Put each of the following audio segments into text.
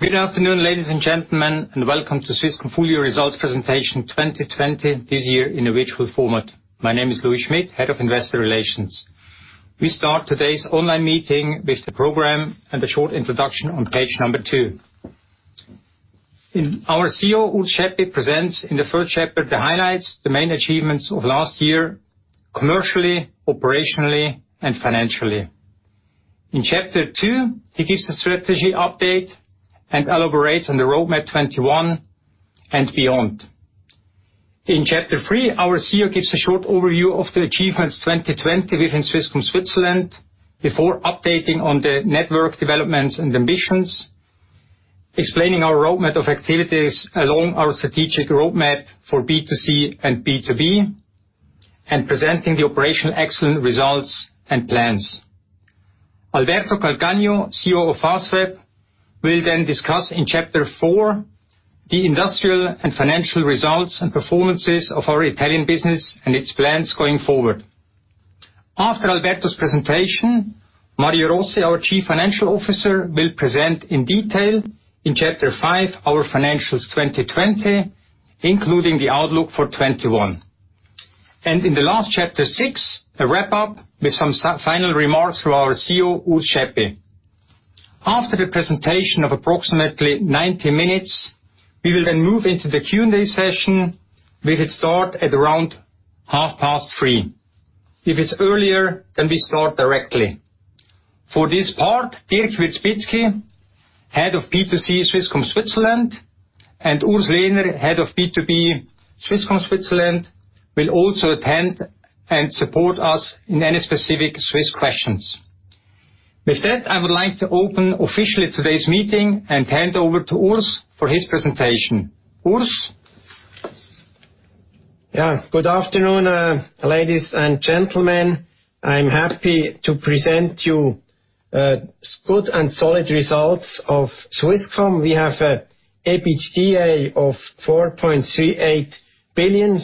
Good afternoon, ladies and gentlemen, and welcome to Swisscom full year results presentation 2020, this year in a virtual format. My name is Louis Schmid, Head of Investor Relations. We start today's online meeting with the program and the short introduction on page number two. Our CEO, Urs Schaeppi, presents in the first chapter the highlights, the main achievements of last year, commercially, operationally, and financially. In chapter two, he gives a strategy update and elaborates on the Roadmap 21 and beyond. In chapter three, our CEO gives a short overview of the achievements 2020 within Swisscom Switzerland before updating on the network developments and ambitions, explaining our roadmap of activities along our strategic roadmap for B2C and B2B, and presenting the operational excellent results and plans. Alberto Calcagno, CEO of Fastweb, will then discuss in chapter four the industrial and financial results and performances of our Italian business and its plans going forward. After Alberto's presentation, Mario Rossi, our Chief Financial Officer, will present in detail in chapter five our financials 2020, including the outlook for 2021. In the last chapter six, a wrap-up with some final remarks from our CEO, Urs Schaeppi. After the presentation of approximately 90 minutes, we will then move into the Q&A session, which will start at around 3:30 P.M. If it's earlier, then we start directly. For this part, Dirk Wierzbitzki, Head of B2C Swisscom Switzerland, and Urs Lehner, Head of B2B Swisscom Switzerland, will also attend and support us in any specific Swiss questions. With that, I would like to open officially today's meeting and hand over to Urs for his presentation. Urs? Good afternoon, ladies and gentlemen. I'm happy to present to you good and solid results of Swisscom. We have EBITDA of 4.38 billion,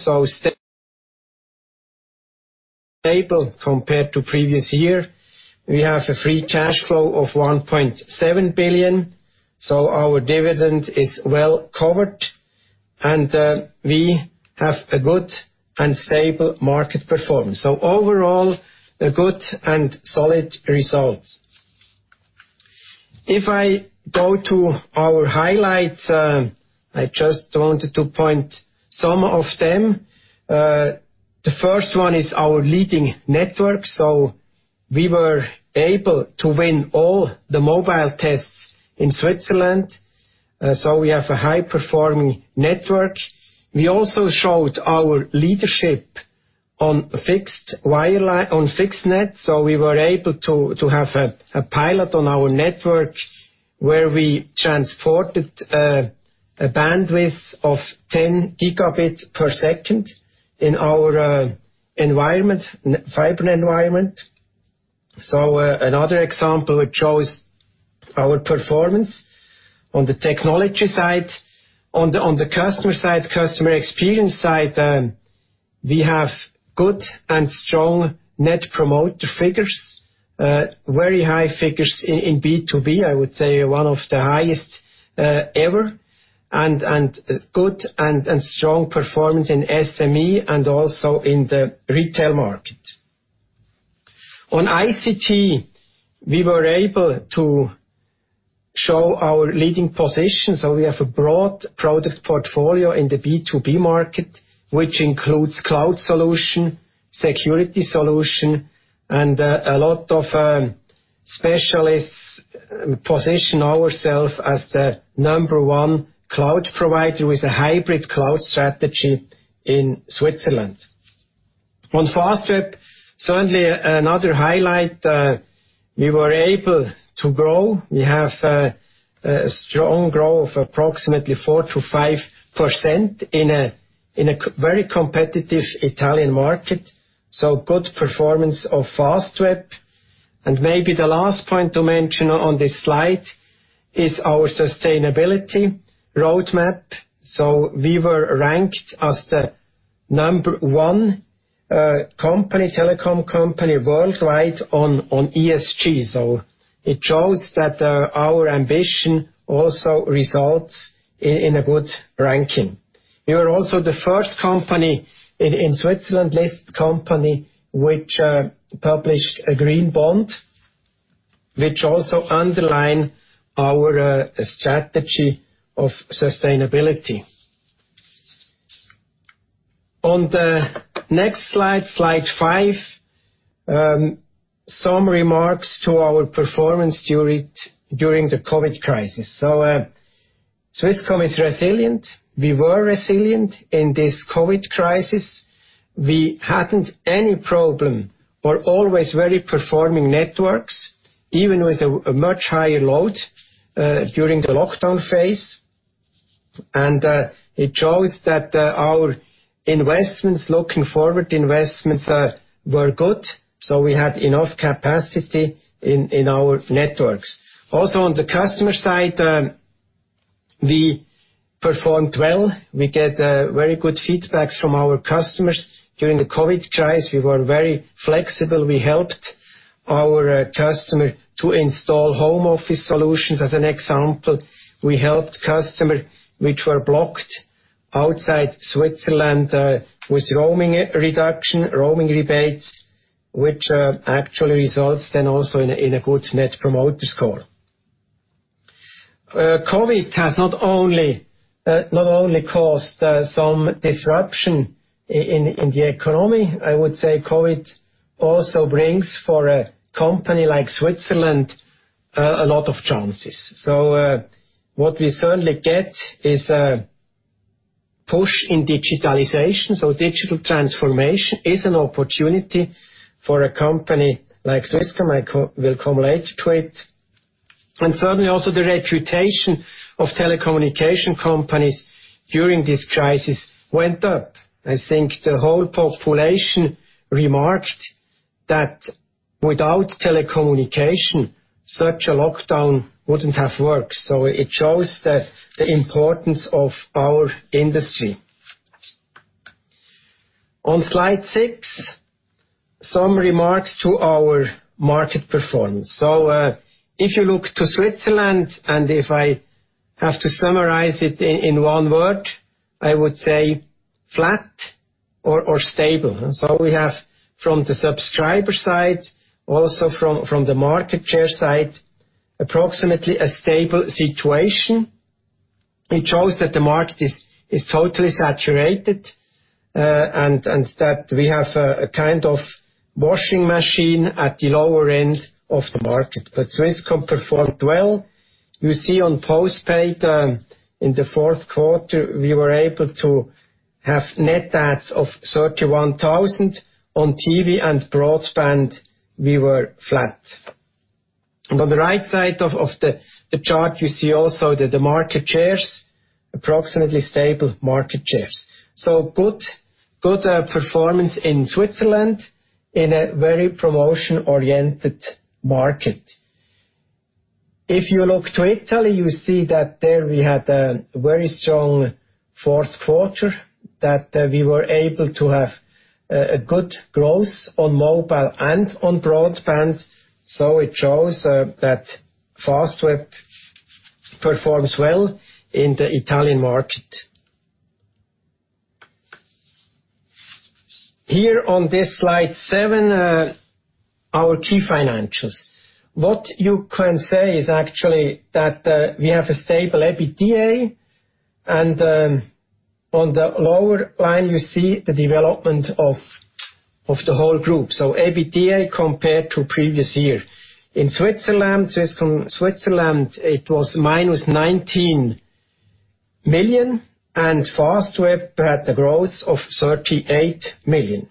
stable compared to previous year. We have a free cash flow of 1.7 billion, our dividend is well-covered, we have a good and stable market performance. Overall, a good and solid result. If I go to our highlights, I just wanted to point some of them. The first one is our leading network. We were able to win all the mobile tests in Switzerland. We have a high-performing network. We also showed our leadership on fixed net. We were able to have a pilot on our network where we transported a bandwidth of 10 Gbps in our fiber environment. Another example that shows our performance on the technology side. On the customer side, customer experience side, we have good and strong net promoter figures. Very high figures in B2B, I would say one of the highest ever. Good and strong performance in SME and also in the retail market. On ICT, we were able to show our leading position. We have a broad product portfolio in the B2B market, which includes cloud solution, security solution, and a lot of specialists position ourself as the number one cloud provider with a hybrid cloud strategy in Switzerland. On Fastweb, certainly another highlight, we were able to grow. We have a strong growth of approximately 4%-5% in a very competitive Italian market, good performance of Fastweb. Maybe the last point to mention on this slide is our sustainability roadmap. We were ranked as the number one telecom company worldwide on ESG. It shows that our ambition also results in a good ranking. We were also the first company in Switzerland-listed company which published a green bond, which also underline our strategy of sustainability. On the next slide, slide five, some remarks to our performance during the COVID crisis. Swisscom is resilient. We were resilient in this COVID crisis. We hadn't any problem. We're always very performing networks, even with a much higher load during the lockdown phase. It shows that our investments looking forward were good. We had enough capacity in our networks. Also on the customer side, we performed well. We get very good feedbacks from our customers. During the COVID crisis, we were very flexible. We helped our customer to install home office solutions, as an example. We helped customer which were blocked outside Switzerland with roaming reduction, roaming rebates, which actually results then also in a good Net Promoter Score. COVID has not only caused some disruption in the economy. I would say COVID also brings, for a company like [Swisscom Switzerland], a lot of chances. What we certainly get is a push in digitalization. Digital transformation is an opportunity for a company like Swisscom. I will come later to it. Certainly, also the reputation of telecommunication companies during this crisis went up. I think the whole population remarked that without telecommunication, such a lockdown wouldn't have worked. It shows the importance of our industry. On slide six, some remarks to our market performance. If you look to [Swisscom Switzerland], and if I have to summarize it in one word, I would say flat or stable. We have from the subscriber side, also from the market share side, approximately a stable situation. It shows that the market is totally saturated, and that we have a kind of washing machine at the lower end of the market. Swisscom performed well. You see on postpaid, in the fourth quarter, we were able to have net adds of 31,000. On TV and broadband, we were flat. On the right side of the chart, you see also that the market shares, approximately stable market shares. Good performance in Switzerland in a very promotion-oriented market. If you look to Italy, you see that there we had a very strong fourth quarter, that we were able to have a good growth on mobile and on broadband. It shows that Fastweb performs well in the Italian market. Here on this slide seven, our key financials. What you can say is actually that we have a stable EBITDA. On the lower line, you see the development of the whole group. EBITDA compared to previous year. In Switzerland, Swisscom Switzerland, it was minus 19 million, and Fastweb had a growth of 38 million,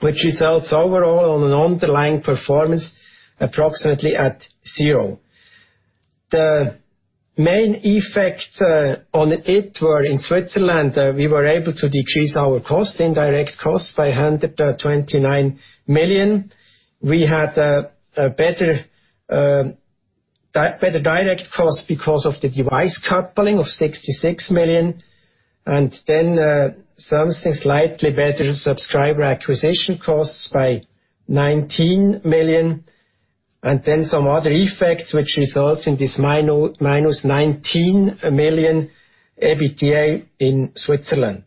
which results overall on an underlying performance approximately at zero. The main effect on it were in Switzerland, we were able to decrease our cost, indirect costs by 129 million. We had a better direct cost because of the device decoupling of 66 million, and then something slightly better subscriber acquisition costs by 19 million, and then some other effects which results in this -19 million EBITDA in Switzerland.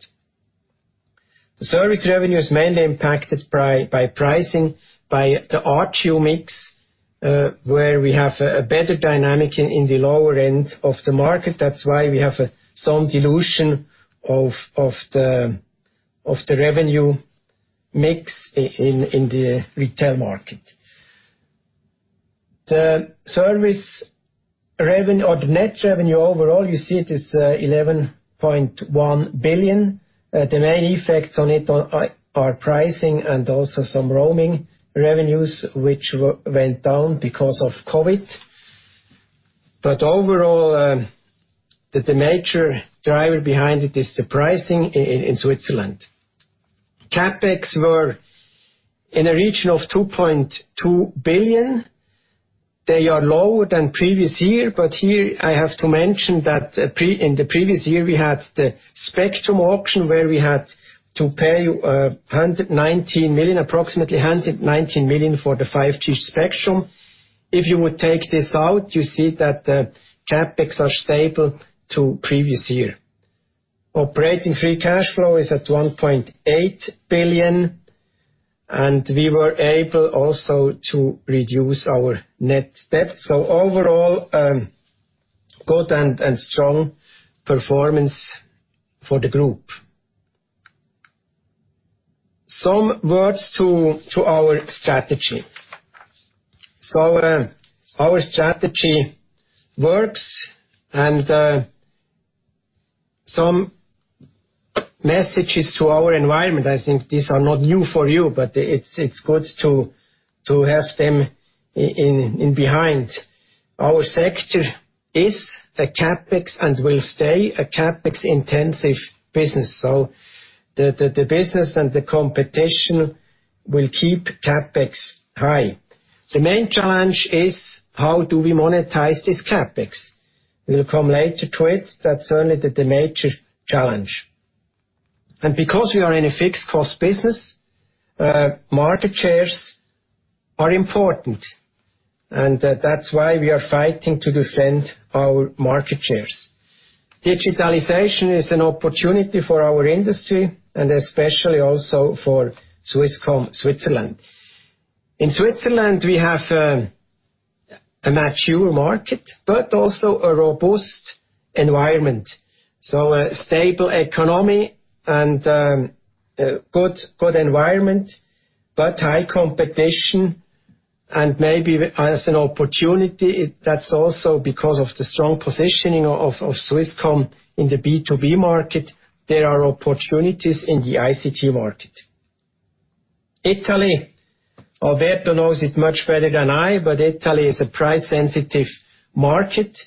The service revenue is mainly impacted by pricing, by the ARPU mix, where we have a better dynamic in the lower end of the market. That's why we have some dilution of the revenue mix in the retail market. The service revenue or the net revenue overall, you see it is 11.1 billion. The main effects on it are pricing and also some roaming revenues, which went down because of COVID. Overall, the major driver behind it is the pricing in Switzerland. CapEx were in a region of 2.2 billion. They are lower than previous year, but here I have to mention that in the previous year, we had the spectrum auction where we had to pay 119 million, approximately 119 million for the 5G spectrum. If you would take this out, you see that the CapEx are stable to previous year. Operating free cash flow is at 1.8 billion. We were able also to reduce our net debt. Overall, good and strong performance for the group. Some words to our strategy. Our strategy works and some messages to our environment. I think these are not new for you, but it's good to have them in behind. Our sector is a CapEx and will stay a CapEx intensive business. The business and the competition will keep CapEx high. The main challenge is how do we monetize this CapEx? We'll come later to it. That's only the major challenge. Because we are in a fixed cost business, market shares are important, and that's why we are fighting to defend our market shares. Digitalization is an opportunity for our industry and especially also for Swisscom Switzerland. In Switzerland, we have a mature market, but also a robust environment. A stable economy and good environment, but high competition and maybe as an opportunity, that's also because of the strong positioning of Swisscom in the B2B market. There are opportunities in the ICT market. Italy, Alberto knows it much better than I, but Italy is a price-sensitive market,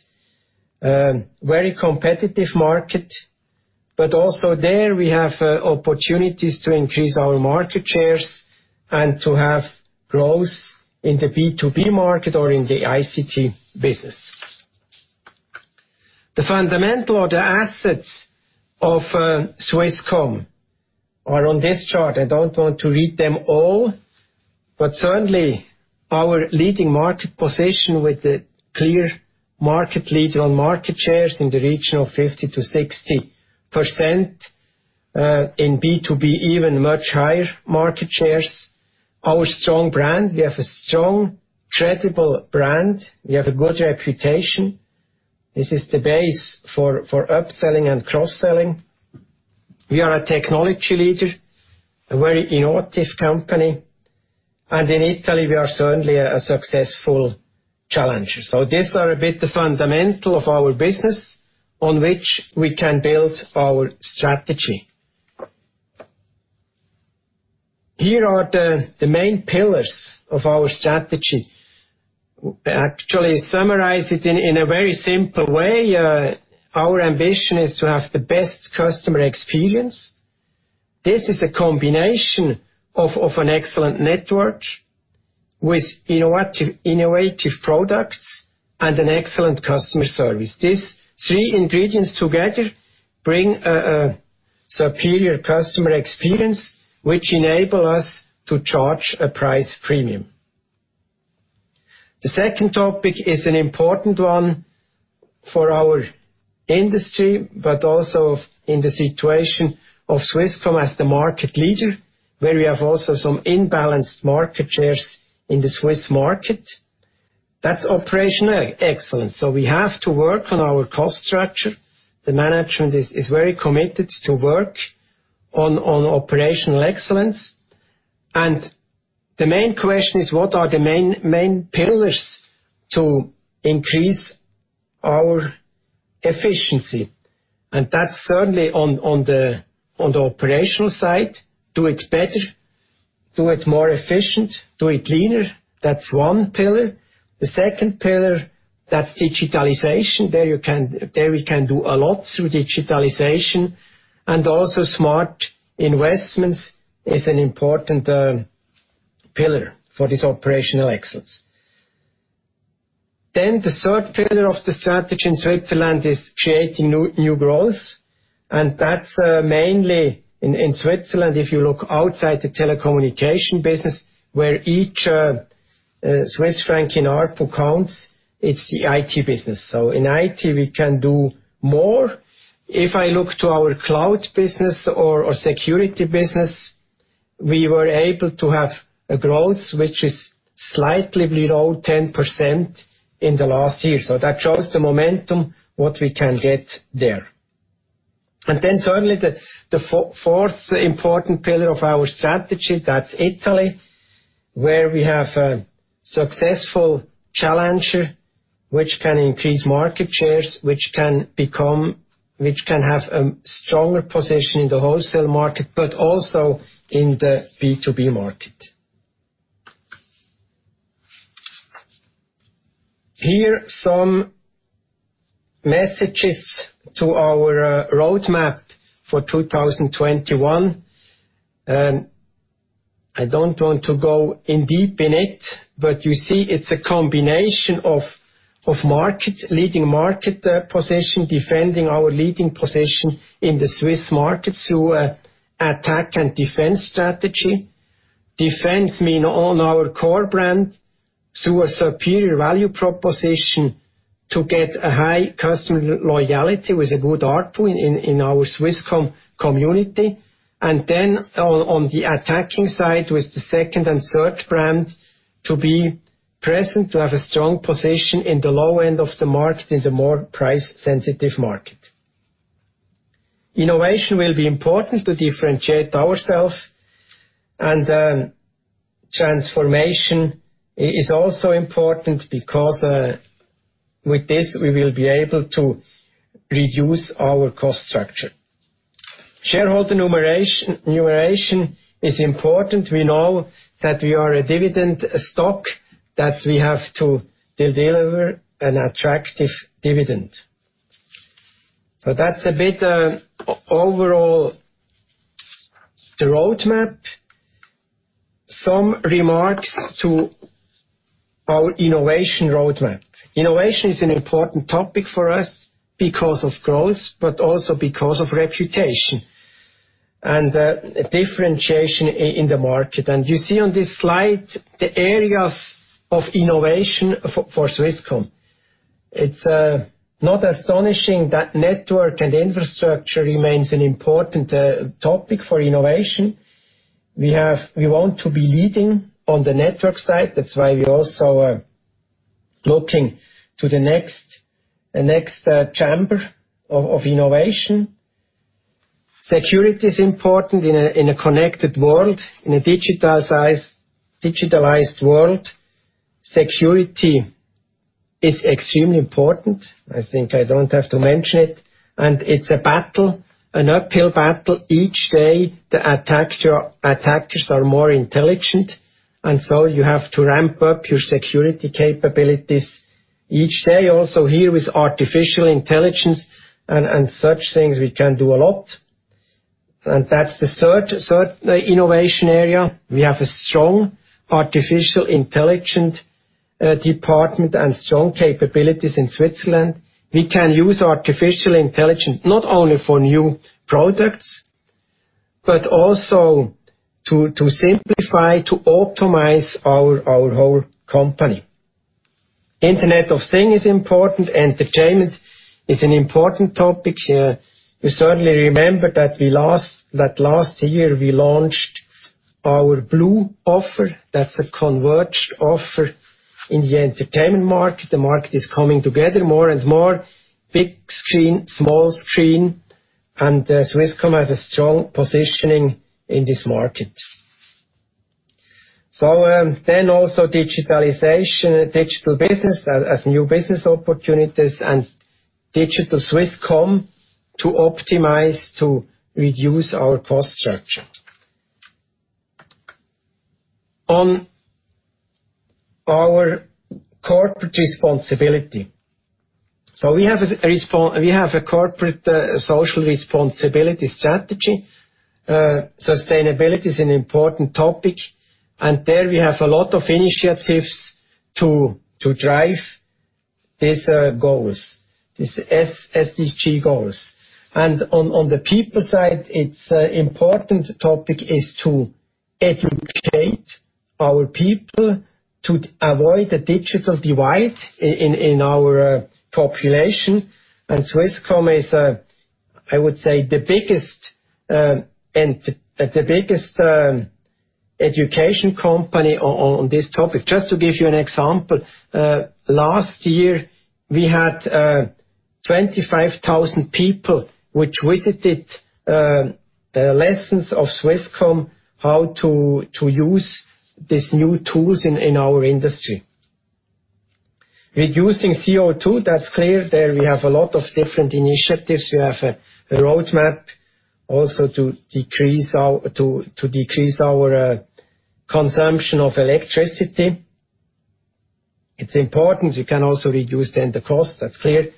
a very competitive market. Also there, we have opportunities to increase our market shares and to have growth in the B2B market or in the ICT business. The fundamental or the assets of Swisscom are on this chart. I don't want to read them all. Certainly, our leading market position with a clear market leader on market shares in the region of 50%-60%, in B2B even much higher market shares. Our strong brand. We have a strong, credible brand. We have a good reputation. This is the base for upselling and cross-selling. We are a technology leader, a very innovative company. In Italy, we are certainly a successful challenger. These are a bit the fundamentals of our business on which we can build our strategy. Here are the main pillars of our strategy. Summarized in a very simple way. Our ambition is to have the best customer experience. This is a combination of an excellent network with innovative products and an excellent customer service. These three ingredients together bring a superior customer experience, which enable us to charge a price premium. The second topic is an important one for our industry, but also in the situation of Swisscom as the market leader, where we have also some imbalanced market shares in the Swiss market. That's operational excellence. We have to work on our cost structure. The management is very committed to work on operational excellence. The main question is: What are the main pillars to increase our efficiency? That's certainly on the operational side. Do it better, do it more efficient, do it cleaner. That's one pillar. The second pillar, that's digitalization. There we can do a lot through digitalization. Also smart investments is an important pillar for this operational excellence. The third pillar of the strategy in Switzerland is creating new growth. That's mainly in Switzerland, if you look outside the telecommunication business where each CHF in ARPU counts, it's the IT business. In IT, we can do more. If I look to our cloud business or security business, we were able to have a growth, which is slightly below 10% in the last year. That shows the momentum, what we can get there. Certainly the fourth important pillar of our strategy, that's Italy, where we have a successful challenger, which can increase market shares, which can have a stronger position in the wholesale market, but also in the B2B market. Here some messages to our roadmap for 2021. I don't want to go in deep in it, you see it's a combination of leading market position, defending our leading position in the Swiss market through attack and defense strategy. Defense mean on our core brand through a superior value proposition to get a high customer loyalty with a good ARPU in our Swisscom community. On the attacking side with the second and third brand to be present, to have a strong position in the low end of the market, in the more price-sensitive market. Innovation will be important to differentiate ourselves, and transformation is also important because with this, we will be able to reduce our cost structure. Shareholder remuneration is important. We know that we are a dividend stock, that we have to deliver an attractive dividend. That's a bit overall the roadmap. Some remarks to our innovation roadmap. Innovation is an important topic for us because of growth, but also because of reputation and differentiation in the market. You see on this slide the areas of innovation for Swisscom. It's not astonishing that network and infrastructure remains an important topic for innovation. We want to be leading on the network side. That's why we're also looking to the next chamber of innovation. Security is important in a connected world. In a digitalized world, security is extremely important. I think I don't have to mention it. It's a battle, an uphill battle each day. The attackers are more intelligent, you have to ramp up your security capabilities each day. Also here with artificial intelligence and such things, we can do a lot. That's the third innovation area. We have a strong artificial intelligence department and strong capabilities in Switzerland. We can use artificial intelligence not only for new products but also to simplify, to optimize our whole company. Internet of things is important. Entertainment is an important topic. You certainly remember that last year, we launched our blue offer. That's a converged offer in the entertainment market. The market is coming together more and more. Big screen, small screen, and Swisscom has a strong positioning in this market. Also digitalization, digital business as new business opportunities, digital Swisscom to optimize, to reduce our cost structure. On our corporate responsibility. We have a corporate social responsibility strategy. Sustainability is an important topic, and there we have a lot of initiatives to drive these goals, these SDG goals. On the people side, its important topic is to educate our people to avoid the digital divide in our population. Swisscom is, I would say, the biggest education company on this topic. Just to give you an example, last year, we had 25,000 people which visited lessons of Swisscom, how to use these new tools in our industry. Reducing CO2, that's clear. There, we have a lot of different initiatives. We have a roadmap also to decrease our consumption of electricity. It's important. You can also reduce then the cost. That's clear.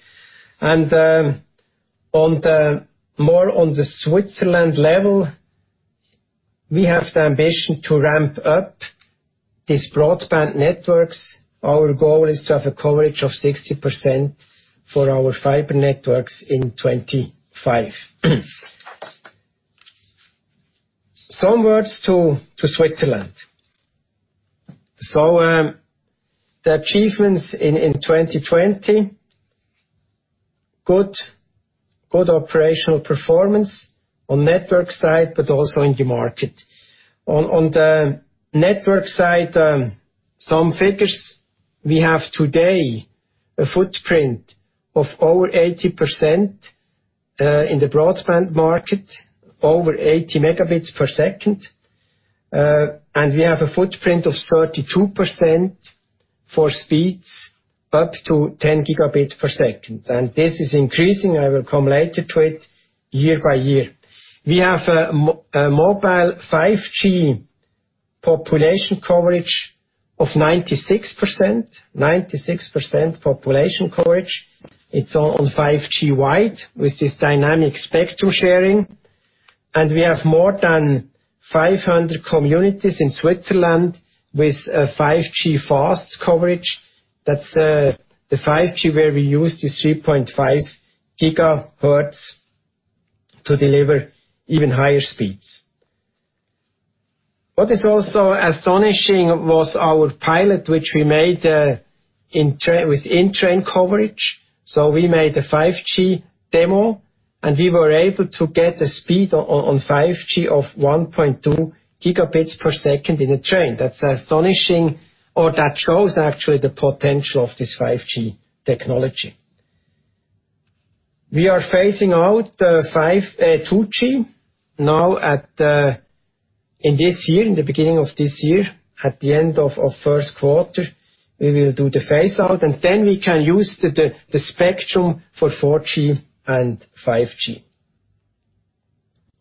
More on the Switzerland level, we have the ambition to ramp up these broadband networks. Our goal is to have a coverage of 60% for our fiber networks in 2025. Some words to Switzerland. The achievements in 2020, good operational performance on network side but also in the market. On the network side, some figures. We have today a footprint of over 80% in the broadband market, over 80 Mbps. We have a footprint of 32% for speeds up to 10 Gbps. This is increasing, I will come later to it, year by year. We have a mobile 5G population coverage of 96%. 96% population coverage. It's on 5G wide with this dynamic spectrum sharing. We have more than 500 communities in Switzerland with 5G fast coverage. That's the 5G where we use the 3.5 Ghz to deliver even higher speeds. What is also astonishing was our pilot, which we made with in-train coverage. We made a 5G demo, and we were able to get the speed on 5G of 1.2 Gbps in a train. That's astonishing. That shows actually the potential of this 5G technology. We are phasing out 2G now in this year, in the beginning of this year. At the end of first quarter, we will do the phase out, and then we can use the spectrum for 4G and 5G.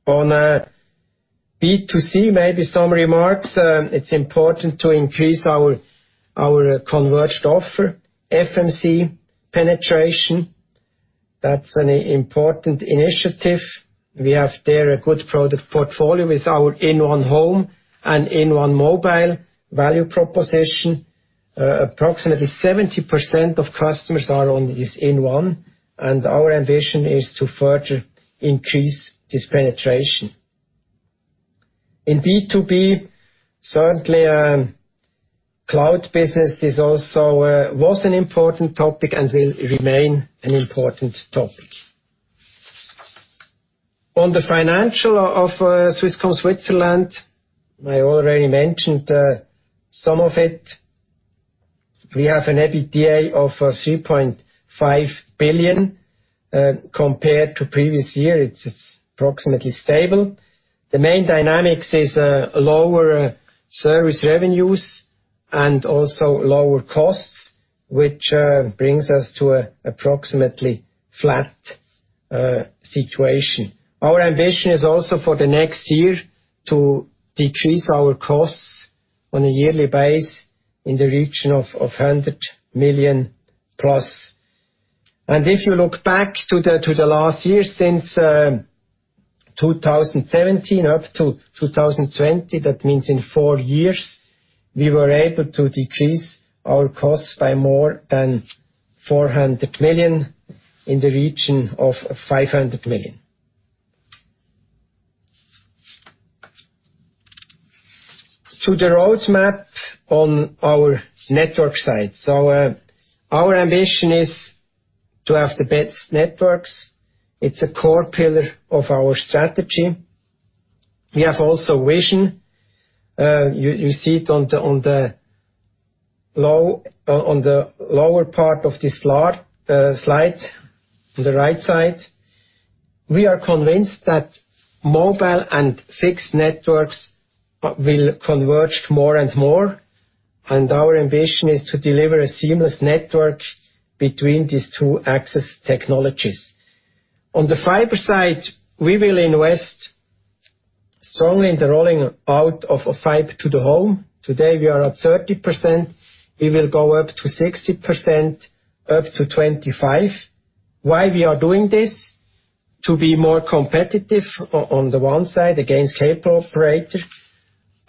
B2C, maybe some remarks. It's important to increase our converged offer. FMC penetration. That's an important initiative. We have there a good product portfolio with our inOne Home and inOne Mobile value proposition. Approximately 70% of customers are on this inOne, and our ambition is to further increase this penetration. B2B, certainly cloud business was an important topic and will remain an important topic. On the financial of Swisscom Switzerland, I already mentioned some of it. We have an EBITDA of 3.5 billion. Compared to previous year, it's approximately stable. The main dynamics is lower service revenues and also lower costs, which brings us to approximately flat situation. Our ambition is also for the next year to decrease our costs on a yearly base in the region of 100 million plus. If you look back to the last year since 2017 up to 2020, that means in four years, we were able to decrease our costs by more than 400 million in the region of 500 million. To the road map on our network side. Our ambition is to have the best networks. It's a core pillar of our strategy. We have also vision. You see it on the lower part of this slide, on the right side. We are convinced that mobile and fixed networks will converge more and more, and our ambition is to deliver a seamless network between these two access technologies. On the fiber side, we will invest strongly in the rolling out of a fiber to the home. Today, we are at 30%. We will go up to 60%, up to 25. Why we are doing this? To be more competitive, on the one side, against cable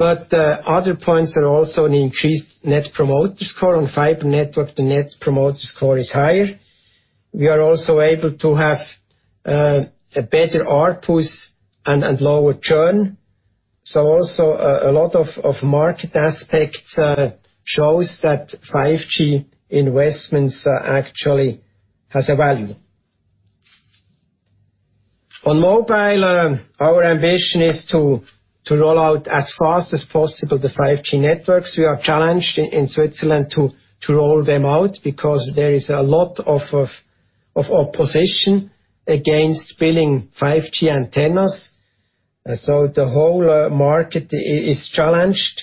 operator. Other points are also an increased Net Promoter Score. On fiber network, the Net Promoter Score is higher. We are also able to have a better ARPUs and lower churn. Also a lot of market aspects shows that 5G investments actually has a value. On mobile, our ambition is to roll out as fast as possible the 5G networks. We are challenged in Switzerland to roll them out because there is a lot of opposition against building 5G antennas. The whole market is challenged.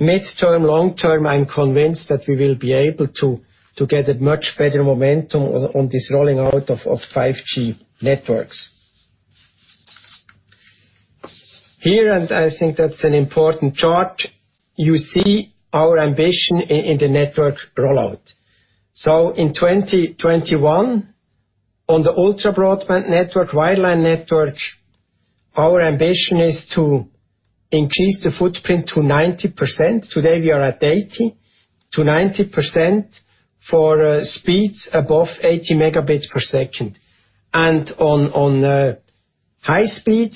Midterm, long-term, I'm convinced that we will be able to get a much better momentum on this rolling out of 5G networks. Here, and I think that's an important chart, you see our ambition in the network rollout. In 2021, on the ultra broadband network, wireline network, our ambition is to increase the footprint to 90%. Today, we are at 80%-90% for speeds above 80 Mbps. On high speed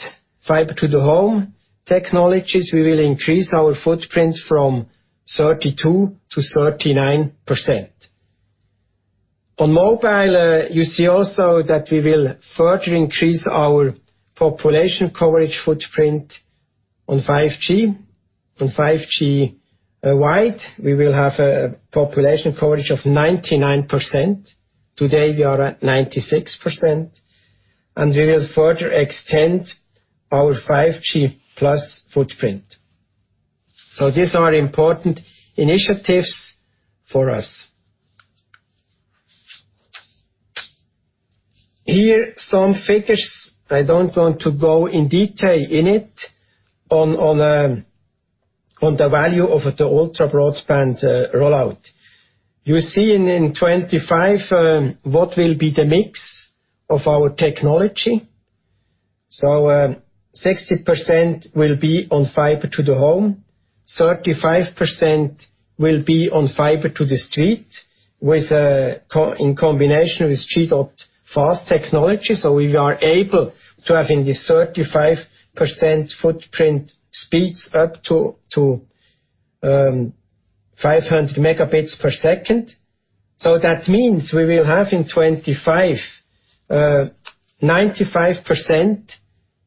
fiber to the home technologies, we will increase our footprint from 32%-39%. On mobile, you see also that we will further increase our population coverage footprint on 5G. On 5G wide, we will have a population coverage of 99%. Today, we are at 96%. We will further extend our 5G+ footprint. These are important initiatives for us. Here, some figures, I don't want to go in detail in it, on the value of the ultra broadband rollout. You see in 2025, what will be the mix of our technology. 60% will be on fiber to the home, 35% will be on fiber to the street in combination with G.fast technology. We are able to have in the 35% footprint speeds up to 500 Mbps. That means we will have in 2025, 95%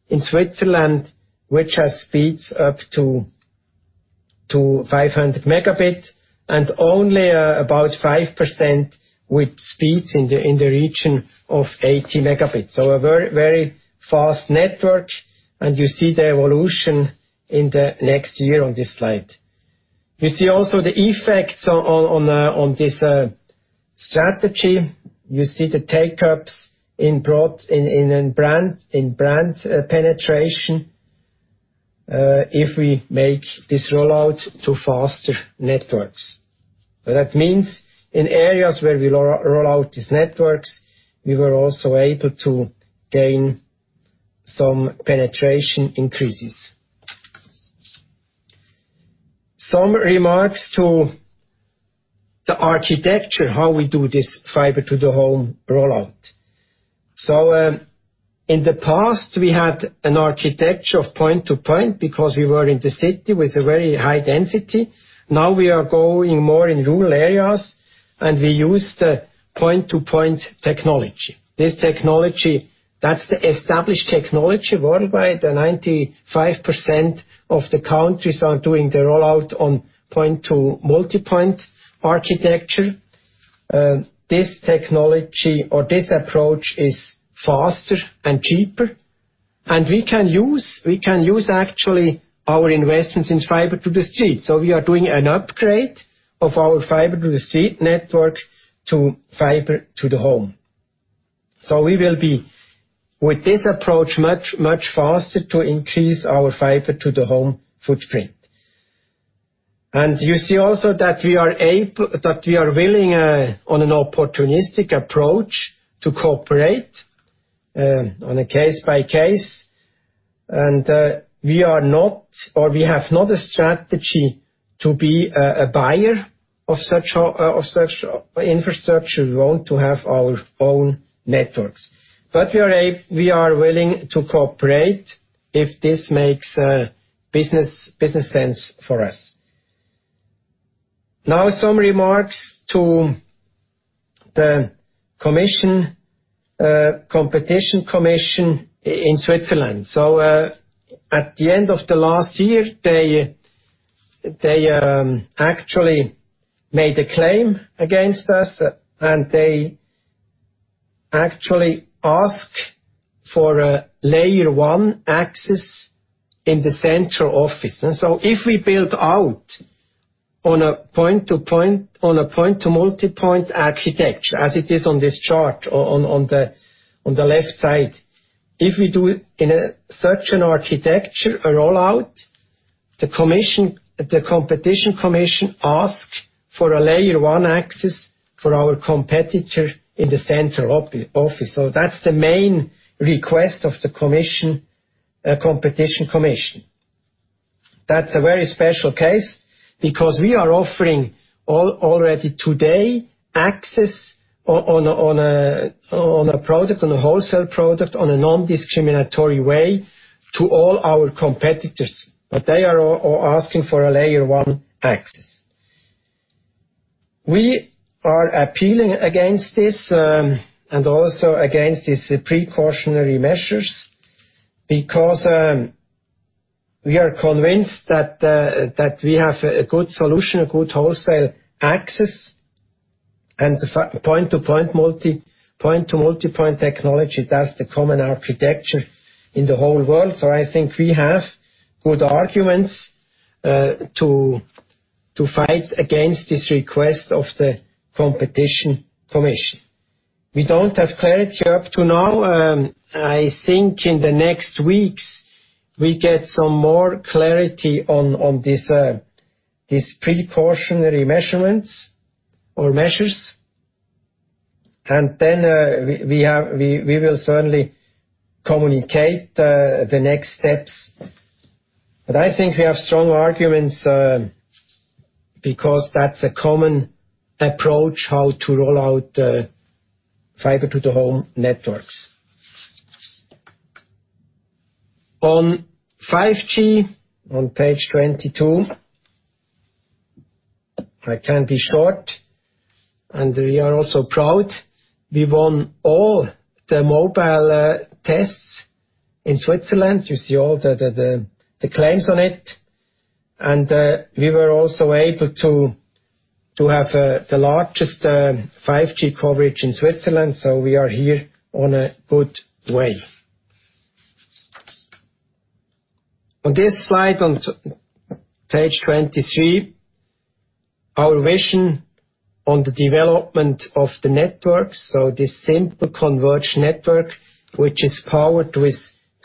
in Switzerland, which has speeds up to 500 Mbs and only about 5% with speeds in the region of 80 Mbs. A very fast network, and you see the evolution in the next year on this slide. You see also the effects on this strategy. You see the take-ups in brand penetration. If we make this rollout to faster networks. That means in areas where we roll out these networks, we were also able to gain some penetration increases. Some remarks to the architecture, how we do this fiber to the home rollout. In the past, we had an architecture of point-to-point because we were in the city with a very high density. Now we are going more in rural areas, and we use the point-to-point technology. This technology, that's the established technology worldwide. The 95% of the countries are doing the rollout on point-to-multipoint architecture. This technology or this approach is faster and cheaper. We can use actually our investments in fiber to the street. We are doing an upgrade of our fiber to the street network to fiber to the home. We will be, with this approach, much faster to increase our fiber to the home footprint. You see also that we are willing, on an opportunistic approach, to cooperate on a case by case. We have not a strategy to be a buyer of such infrastructure. We are willing to cooperate if this makes business sense for us. Now some remarks to the Competition Commission in Switzerland. At the end of the last year, they actually made a claim against us, they actually ask for a Layer 1 access in the central office. If we build out on a point-to-multipoint architecture, as it is on this chart on the left side. If we do it in such an architecture rollout, the Competition Commission ask for a Layer 1 access for our competitor in the central office. That's the main request of the Competition Commission. That's a very special case because we are offering already today access on a wholesale product on a nondiscriminatory way to all our competitors. They are asking for a Layer 1 access. We are appealing against this, and also against these precautionary measures, because we are convinced that we have a good solution, a good wholesale access. Point-to-multipoint technology, that's the common architecture in the whole world. I think we have good arguments to fight against this request of the Competition Commission. We don't have clarity up to now. I think in the next weeks, we get some more clarity on these precautionary measurements or measures. Then we will certainly communicate the next steps. I think we have strong arguments, because that's a common approach how to roll out the fiber to the home networks. On 5G, on page 22. I can be short. We are also proud. We won all the mobile tests in Switzerland. You see all the claims on it. We were also able to have the largest 5G coverage in Switzerland. We are here on a good way. On this slide, on page 23, our vision on the development of the network. This simple converged network, which is powered with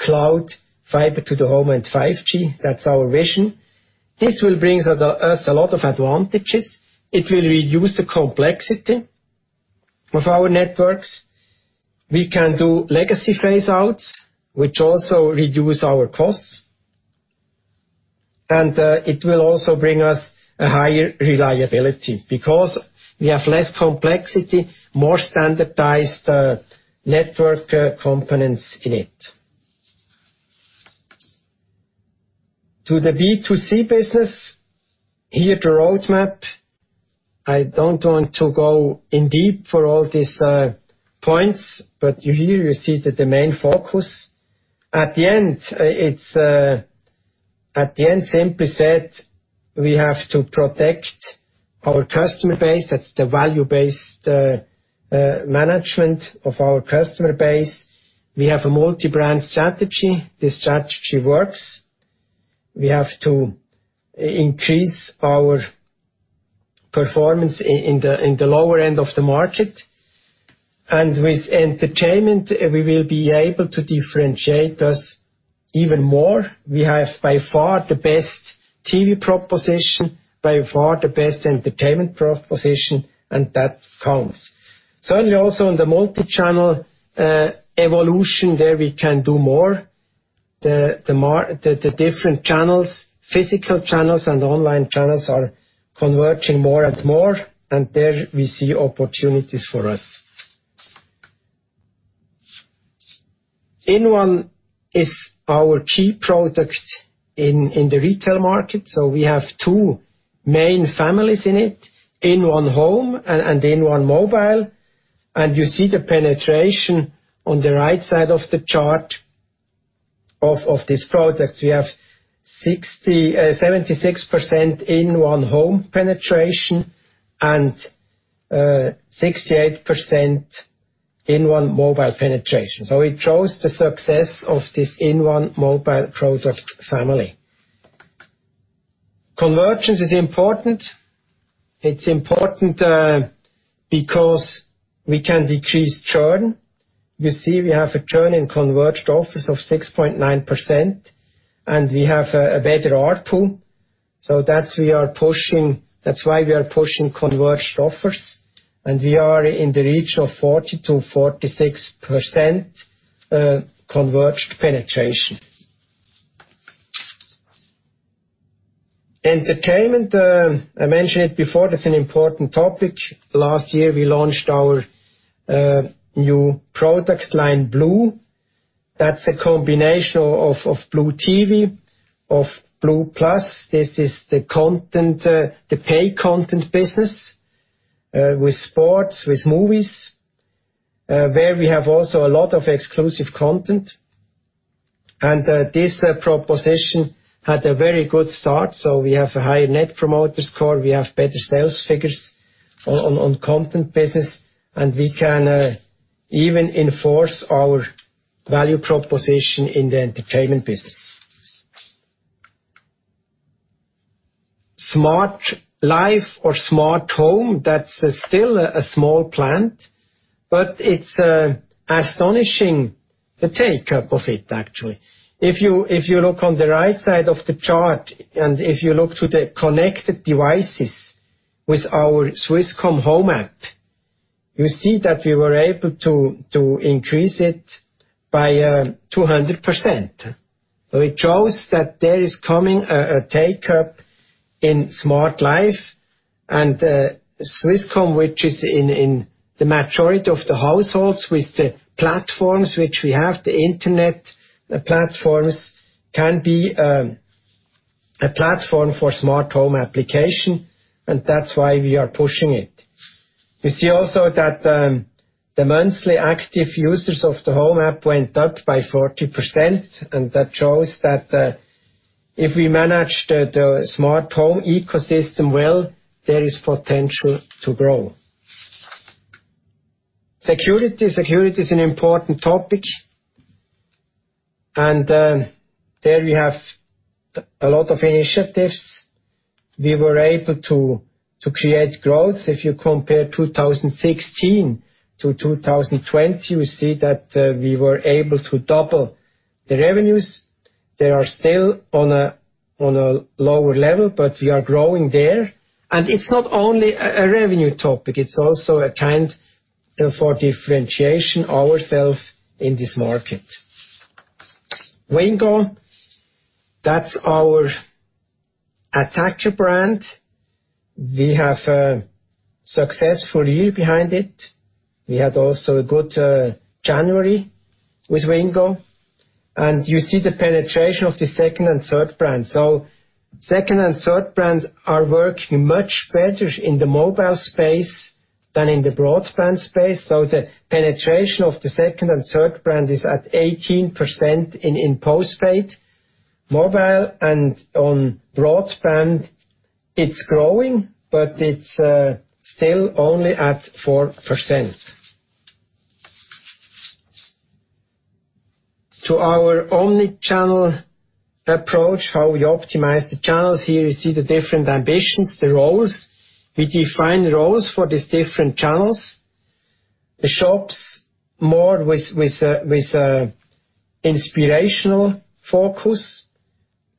cloud fiber to the home and 5G. That's our vision. This will bring us a lot of advantages. It will reduce the complexity of our networks. We can do legacy phase outs, which also reduce our costs. It will also bring us a higher reliability because we have less complexity, more standardized network components in it. To the B2C business. Here the roadmap. I don't want to go in deep for all these points, here you see that the main focus. At the end, simply said, we have to protect our customer base. That's the value-based management of our customer base. We have a multi-brand strategy. This strategy works. We have to increase our performance in the lower end of the market. With entertainment, we will be able to differentiate us even more. We have by far the best TV proposition, by far the best entertainment proposition, and that counts. Certainly, also in the multichannel evolution, there we can do more. The different channels, physical channels and online channels are converging more and more, and there we see opportunities for us. InOne is our key product in the retail market. We have two main families in it, inOne Home and inOne Mobile. You see the penetration on the right side of the chart of these products. We have 76% inOne Home penetration and 68% inOne Mobile penetration. It shows the success of this inOne Mobile product family. Convergence is important. It's important because we can decrease churn. You see we have a churn in converged offers of 6.9%, and we have a better ARPU. That's why we are pushing converged offers, and we are in the region of 40%-46% converged penetration. Entertainment, I mentioned it before, that's an important topic. Last year we launched our new product line, blue. That's a combination of blue TV, of blue+. This is the pay content business, with sports, with movies, where we have also a lot of exclusive content. This proposition had a very good start. We have a high Net Promoter Score, we have better sales figures on content business, and we can even enforce our value proposition in the entertainment business. SmartLife or Smart Home, that's still a small plant. It's astonishing the take-up of it actually. If you look on the right side of the chart and if you look to the connected devices with our Swisscom Home App, you see that we were able to increase it by 200%. It shows that there is coming a take-up in SmartLife and Swisscom, which is in the majority of the households with the platforms which we have. The internet platforms can be a platform for Smart Home application, and that's why we are pushing it. You see also that the monthly active users of the Home App went up by 40%. That shows that if we manage the Smart Home ecosystem well, there is potential to grow. Security. Security is an important topic. There we have a lot of initiatives. We were able to create growth. If you compare 2016 to 2020, we see that we were able to double the revenues. They are still on a lower level, but we are growing there. It's not only a revenue topic, it's also a chance for differentiation ourself in this market. Wingo, that's our attacker brand. We have a successful year behind it. We had also a good January with Wingo. You see the penetration of the second and third brand. Second and third brands are working much better in the mobile space than in the broadband space. The penetration of the second and third brand is at 18% in postpaid mobile and on broadband it's growing, but it's still only at 4%. To our omnichannel approach, how we optimize the channels. Here you see the different ambitions, the roles. We define roles for these different channels. The shops more with inspirational focus.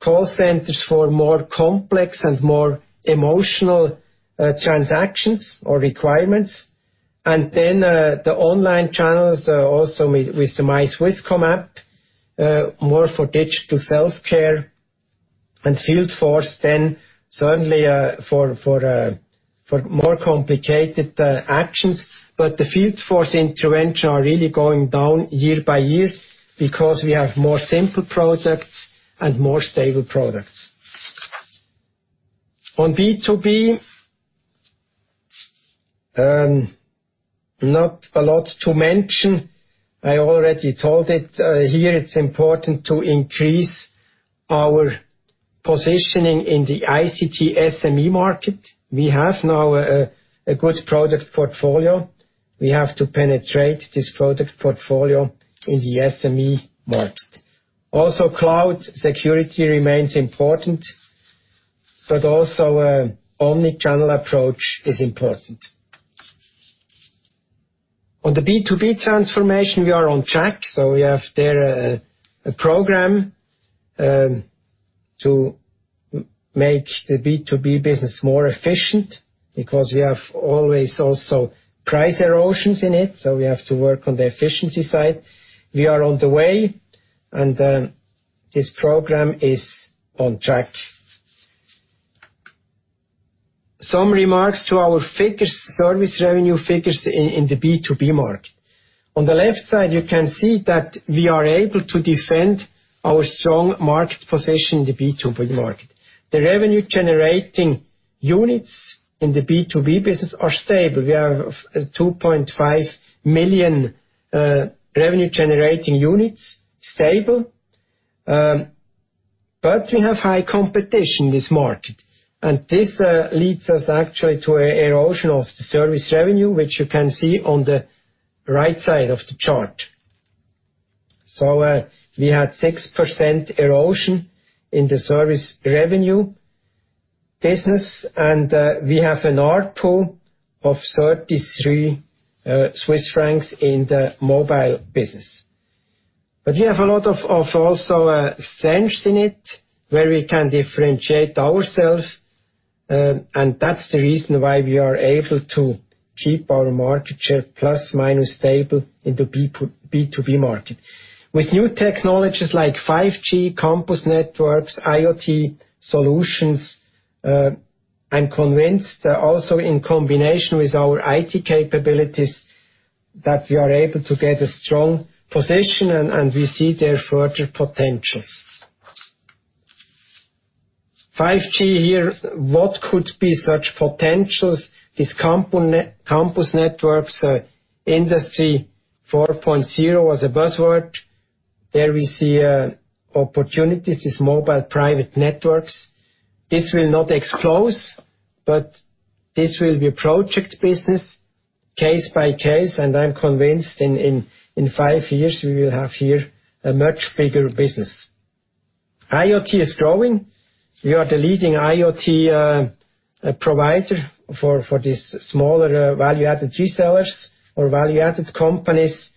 Call centers for more complex and more emotional transactions or requirements. The online channels also with the My Swisscom App, more for digital self-care. Field force then certainly for more complicated actions. The field force intervention are really going down year by year because we have more simple products and more stable products. On B2B, not a lot to mention. I already told it. Here it's important to increase our positioning in the ICT SME market. We have now a good product portfolio. We have to penetrate this product portfolio in the SME market. Also, cloud security remains important, but also omnichannel approach is important. On the B2B transformation, we are on track. We have there a program to make the B2B business more efficient because we have always also price erosions in it, so we have to work on the efficiency side. We are on the way and this program is on track. Some remarks to our service revenue figures in the B2B market. On the left side, you can see that we are able to defend our strong market position in the B2B market. The revenue-generating units in the B2B business are stable. We have 2.5 million revenue-generating units stable, but we have high competition in this market. This leads us actually to an erosion of the service revenue, which you can see on the right side of the chart. We had 6% erosion in the service revenue business, and we have an ARPU of 33 Swiss francs in the mobile business. We have a lot of also strengths in it where we can differentiate ourselves, and that's the reason why we are able to keep our market share plus/minus stable in the B2B market. With new technologies like 5G, campus networks, IoT solutions, I'm convinced also in combination with our IT capabilities, that we are able to get a strong position and we see there further potentials. 5G here, what could be such potentials? These campus networks. Industry 4.0 was a buzzword. There we see opportunities, these mobile private networks. This will not explode, but this will be project business, case by case, and I'm convinced in five years we will have here a much bigger business. IoT is growing. We are the leading IoT provider for these smaller value-added resellers or value-added companies.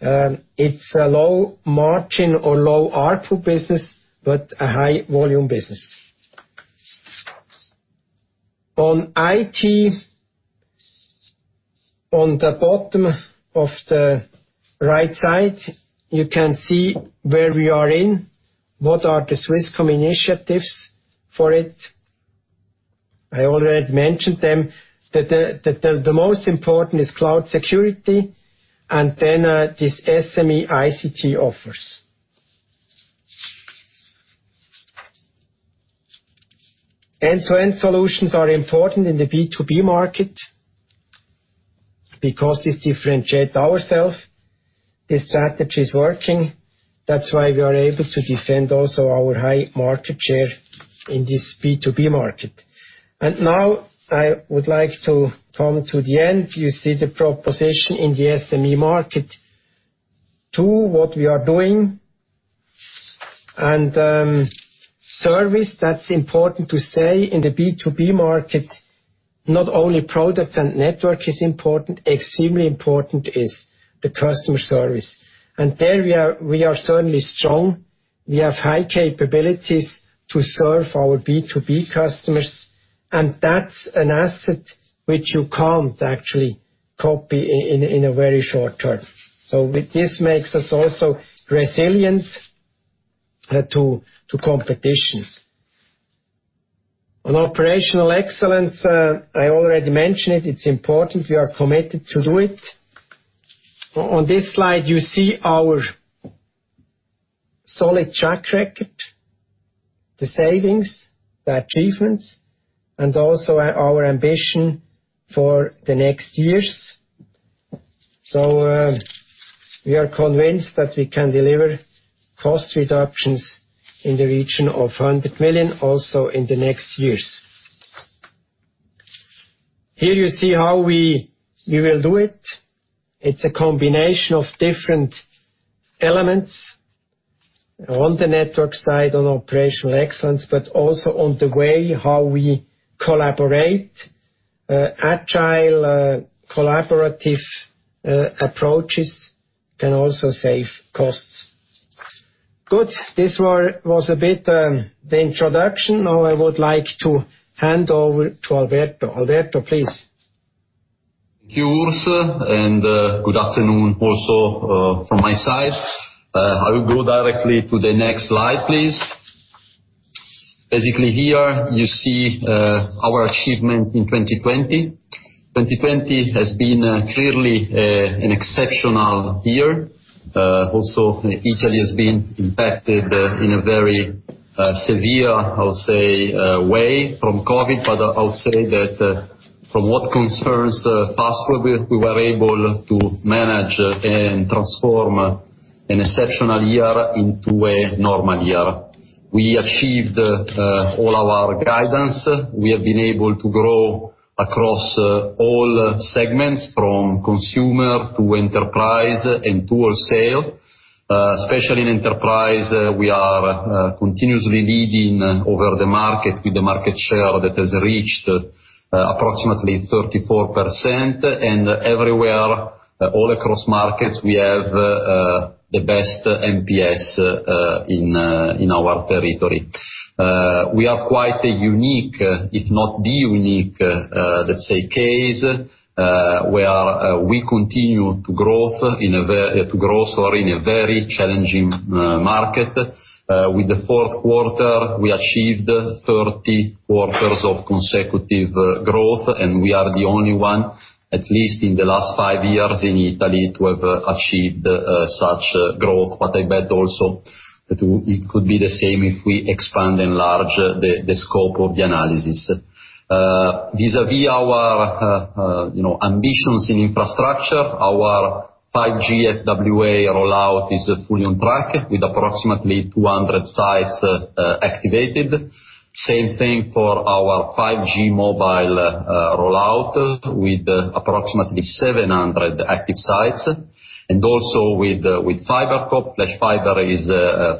It's a low margin or low ARPU business, but a high volume business. On IT, on the bottom of the right side, you can see where we are in, what are the Swisscom initiatives for it. I already mentioned them. The most important is cloud security and then these SME ICT offers. End-to-end solutions are important in the B2B market because it differentiate ourself. This strategy is working. That's why we are able to defend also our high market share in this B2B market. Now I would like to come to the end. You see the proposition in the SME market to what we are doing. Service, that's important to say in the B2B market, not only product and network is important, extremely important is the customer service. There we are certainly strong. We have high capabilities to serve our B2B customers, that's an asset which you can't actually copy in a very short term. This makes us also resilient to competition. On operational excellence, I already mentioned it. It's important we are committed to do it. On this slide, you see our solid track record, the savings, the achievements, and also our ambition for the next years. We are convinced that we can deliver cost reductions in the region of 100 million also in the next years. Here you see how we will do it. It's a combination of different elements on the network side, on operational excellence, also on the way how we collaborate. Agile collaborative approaches can also save costs. Good. This was a bit the introduction. Now I would like to hand over to Alberto. Alberto, please. Thank you, Urs. Good afternoon also from my side. I will go directly to the next slide, please. Basically, here you see our achievement in 2020. 2020 has been clearly an exceptional year. Also, Italy has been impacted in a very severe, I would say, way from COVID, but I would say that from what concerns Fastweb, we were able to manage and transform an exceptional year into a normal year. We achieved all our guidance. We have been able to grow across all segments, from consumer to enterprise and to wholesale. Especially in enterprise, we are continuously leading over the market with the market share that has reached approximately 34%. Everywhere, all across markets, we have the best NPS in our territory. We are quite a unique, if not the unique, let's say, case, where we continue to grow in a very challenging market. With the fourth quarter, we achieved 30 quarters of consecutive growth. We are the only one, at least in the last five years in Italy, to have achieved such growth. I bet also it could be the same if we expand and enlarge the scope of the analysis. Vis-à-vis our ambitions in infrastructure, our 5G FWA rollout is fully on track with approximately 200 sites activated. Same thing for our 5G mobile rollout with approximately 700 active sites. Also with FiberCop, FlashFiber is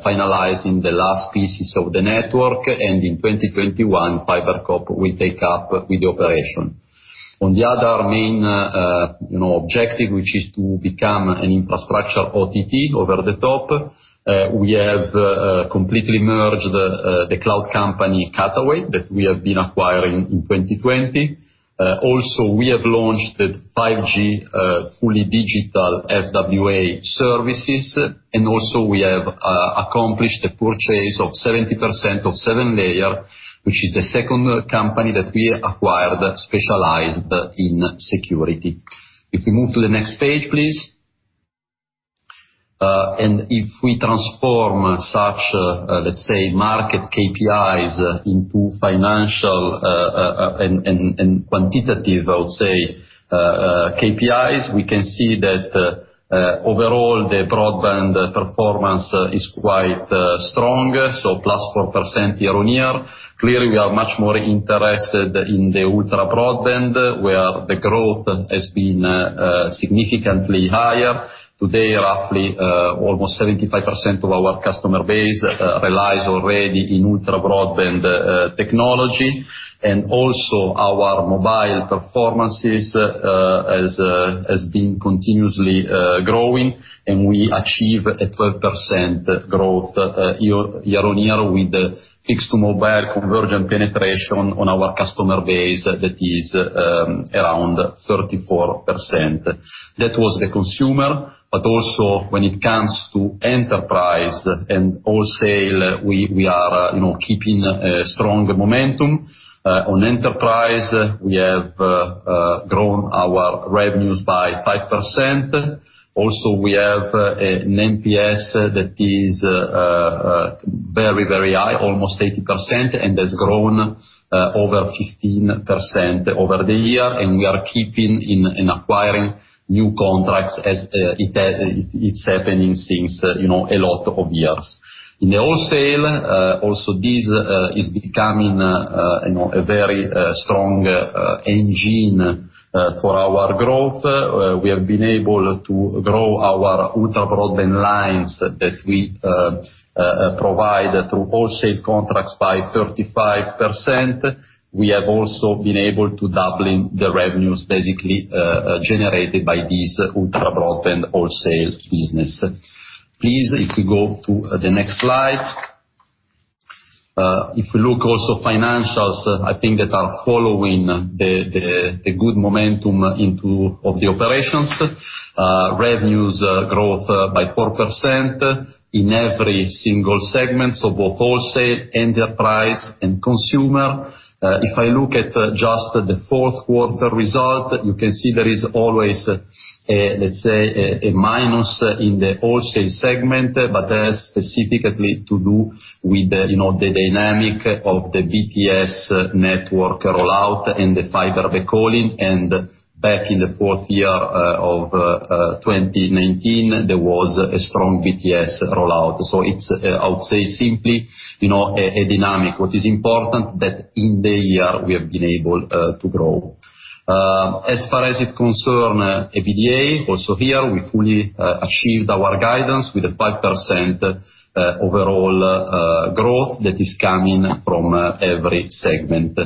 finalizing the last pieces of the network. In 2021, FiberCop will take up with the operation. On the other main objective, which is to become an infrastructure OTT, over-the-top, we have completely merged the cloud company, Cutaway, that we have been acquiring in 2020. Also, we have launched the 5G fully digital FWA services, and we have accomplished the purchase of 70% of 7Layers, which is the second company that we acquired, specialized in security. If we move to the next page, please. If we transform such, let's say, market KPIs into financial and quantitative, I would say, KPIs, we can see that overall, the broadband performance is quite strong, plus 4% year-on-year. Clearly, we are much more interested in the ultra-broadband, where the growth has been significantly higher. Today, roughly almost 75% of our customer base relies already in ultra-broadband technology. And also, our mobile performance has been continuously growing, and we achieve a 12% growth year-on-year with the fixed to mobile convergence penetration on our customer base that is around 34%. That was the consumer. Also, when it comes to enterprise and wholesale, we are keeping a strong momentum. On enterprise, we have grown our revenues by 5%. Also, we have an NPS that is very, very high, almost 80%, and has grown over 15% over the year. We are keeping in acquiring new contracts as it's happening since a lot of years. In the wholesale, also this is becoming a very strong engine for our growth. We have been able to grow our ultra-broadband lines that we provide through wholesale contracts by 35%. We have also been able to doubling the revenues basically generated by this ultra-broadband wholesale business. Please, if we go to the next slide. If we look also financials, I think that are following the good momentum of the operations. Revenues growth by 4% in every single segment, so both wholesale, enterprise and consumer. If I look at just the fourth quarter result, you can see there is always, let's say, a minus in the wholesale segment, but that has specifically to do with the dynamic of the BTS network rollout and the fiber rollout. Back in the fourth quarter of 2019, there was a strong BTS rollout. It's, I would say simply, a dynamic. What is important that in the year we have been able to grow. As far as it concern EBITDA, also here, we fully achieved our guidance with a 5% overall growth that is coming from every segment.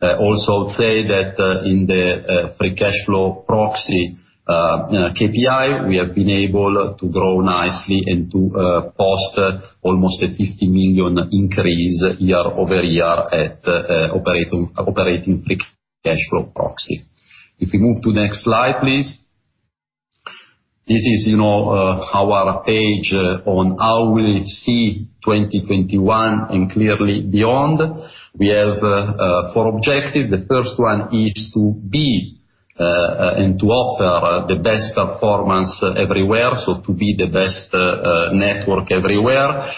Also, I would say that in the free cash flow proxy KPI, we have been able to grow nicely and to post almost a 50 million increase year-over-year at operating free cash flow proxy. If we move to next slide, please. This is our page on how we see 2021 and clearly beyond. We have four objective. The first one is to be and to offer the best performance everywhere, so to be the best network everywhere.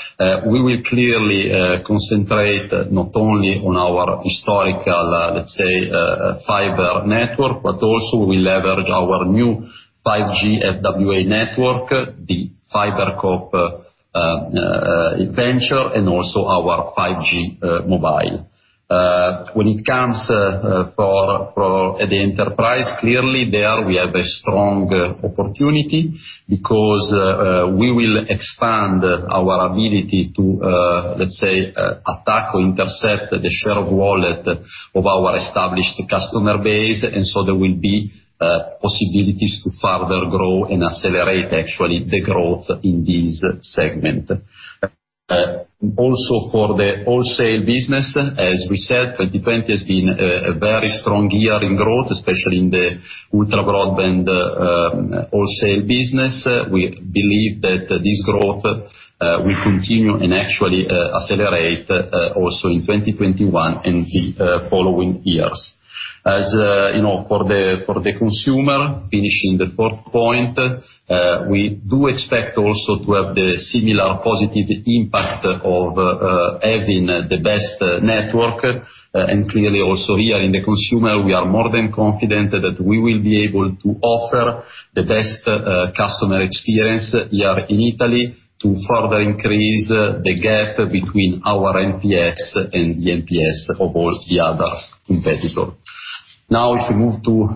We will clearly concentrate not only on our historical, let's say, fiber network, but also we leverage our new 5G FWA network, the FiberCop venture, and also our 5G mobile. When it comes for the enterprise, clearly there we have a strong opportunity because we will expand our ability to, let's say, attack or intercept the share of wallet of our established customer base, and so there will be possibilities to further grow and accelerate actually the growth in this segment. Also for the wholesale business, as we said, 2020 has been a very strong year in growth, especially in the ultra broadband wholesale business. We believe that this growth will continue actually accelerate also in 2021 and the following years. As you know, for the consumer, finishing the fourth point, we do expect also to have the similar positive impact of having the best network. Clearly also here in the consumer, we are more than confident that we will be able to offer the best customer experience here in Italy to further increase the gap between our NPS and the NPS of all the others competitor. Now, if we move to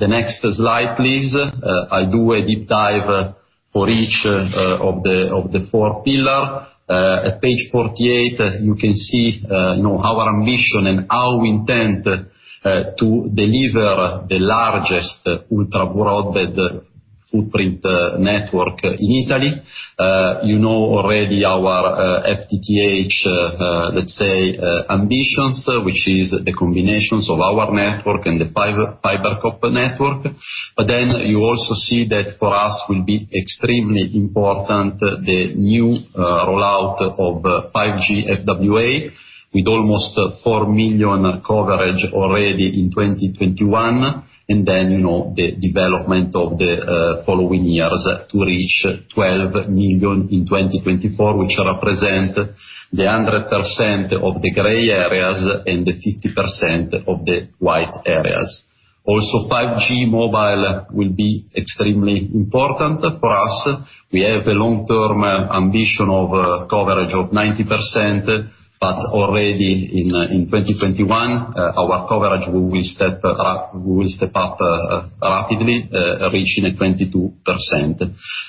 the next slide, please. I'll do a deep dive for each of the four pillar. At page 48, you can see our ambition and how we intend to deliver the largest ultra broadband footprint network in Italy. You know already our FTTH, let's say, ambitions, which is the combinations of our network and the FiberCop network. You also see that for us will be extremely important the new rollout of 5G FWA, with almost 4 million coverage already in 2021, and then the development of the following years to reach 12 million in 2024, which represent the 100% of the gray areas and the 50% of the white areas. Also, 5G mobile will be extremely important for us. We have a long-term ambition of coverage of 90%, but already in 2021, our coverage will step up rapidly, reaching a 22%.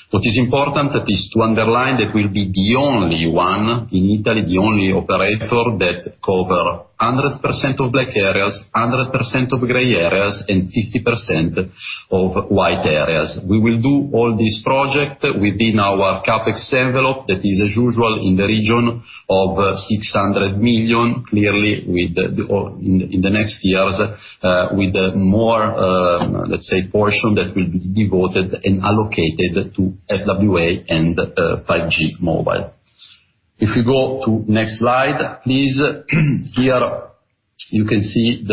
What is important is to underline that we'll be the only one in Italy, the only operator that cover 100% of black areas, 100% of gray areas, and 50% of white areas. We will do all this project within our CapEx envelope that is as usual in the region of 600 million, clearly in the next years, with more, let's say, portion that will be devoted and allocated to FWA and 5G mobile. If you go to next slide, please. Here you can see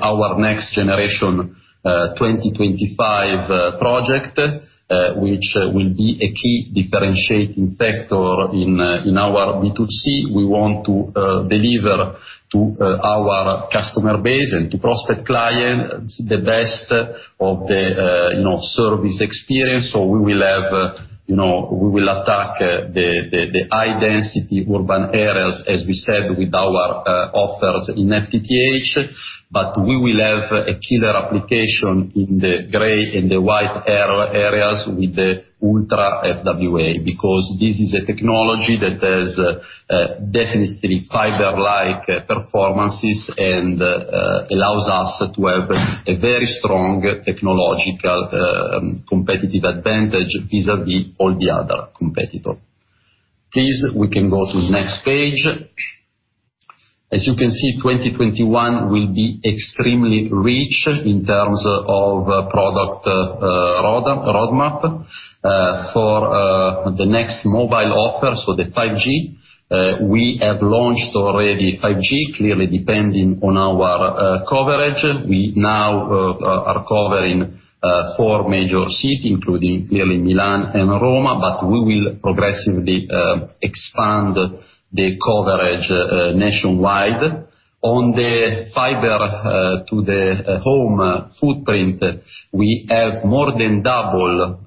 our NeXXt Generation 2025 project, which will be a key differentiating factor in our B2C. We want to deliver to our customer base and to prospect client the best of the service experience. We will attack the high density urban areas, as we said, with our offers in FTTH, but we will have a killer application in the gray and the white areas with the Ultra FWA, because this is a technology that has definitely fiber-like performances and allows us to have a very strong technological competitive advantage vis-à-vis all the other competitors. Please, we can go to the next page. As you can see, 2021 will be extremely rich in terms of product roadmap. For the next mobile offer, the 5G, we have launched already 5G, clearly depending on our coverage. We now are covering four major cities, including clearly Milan and Roma. We will progressively expand the coverage nationwide. On the fiber to the home footprint, we have more than double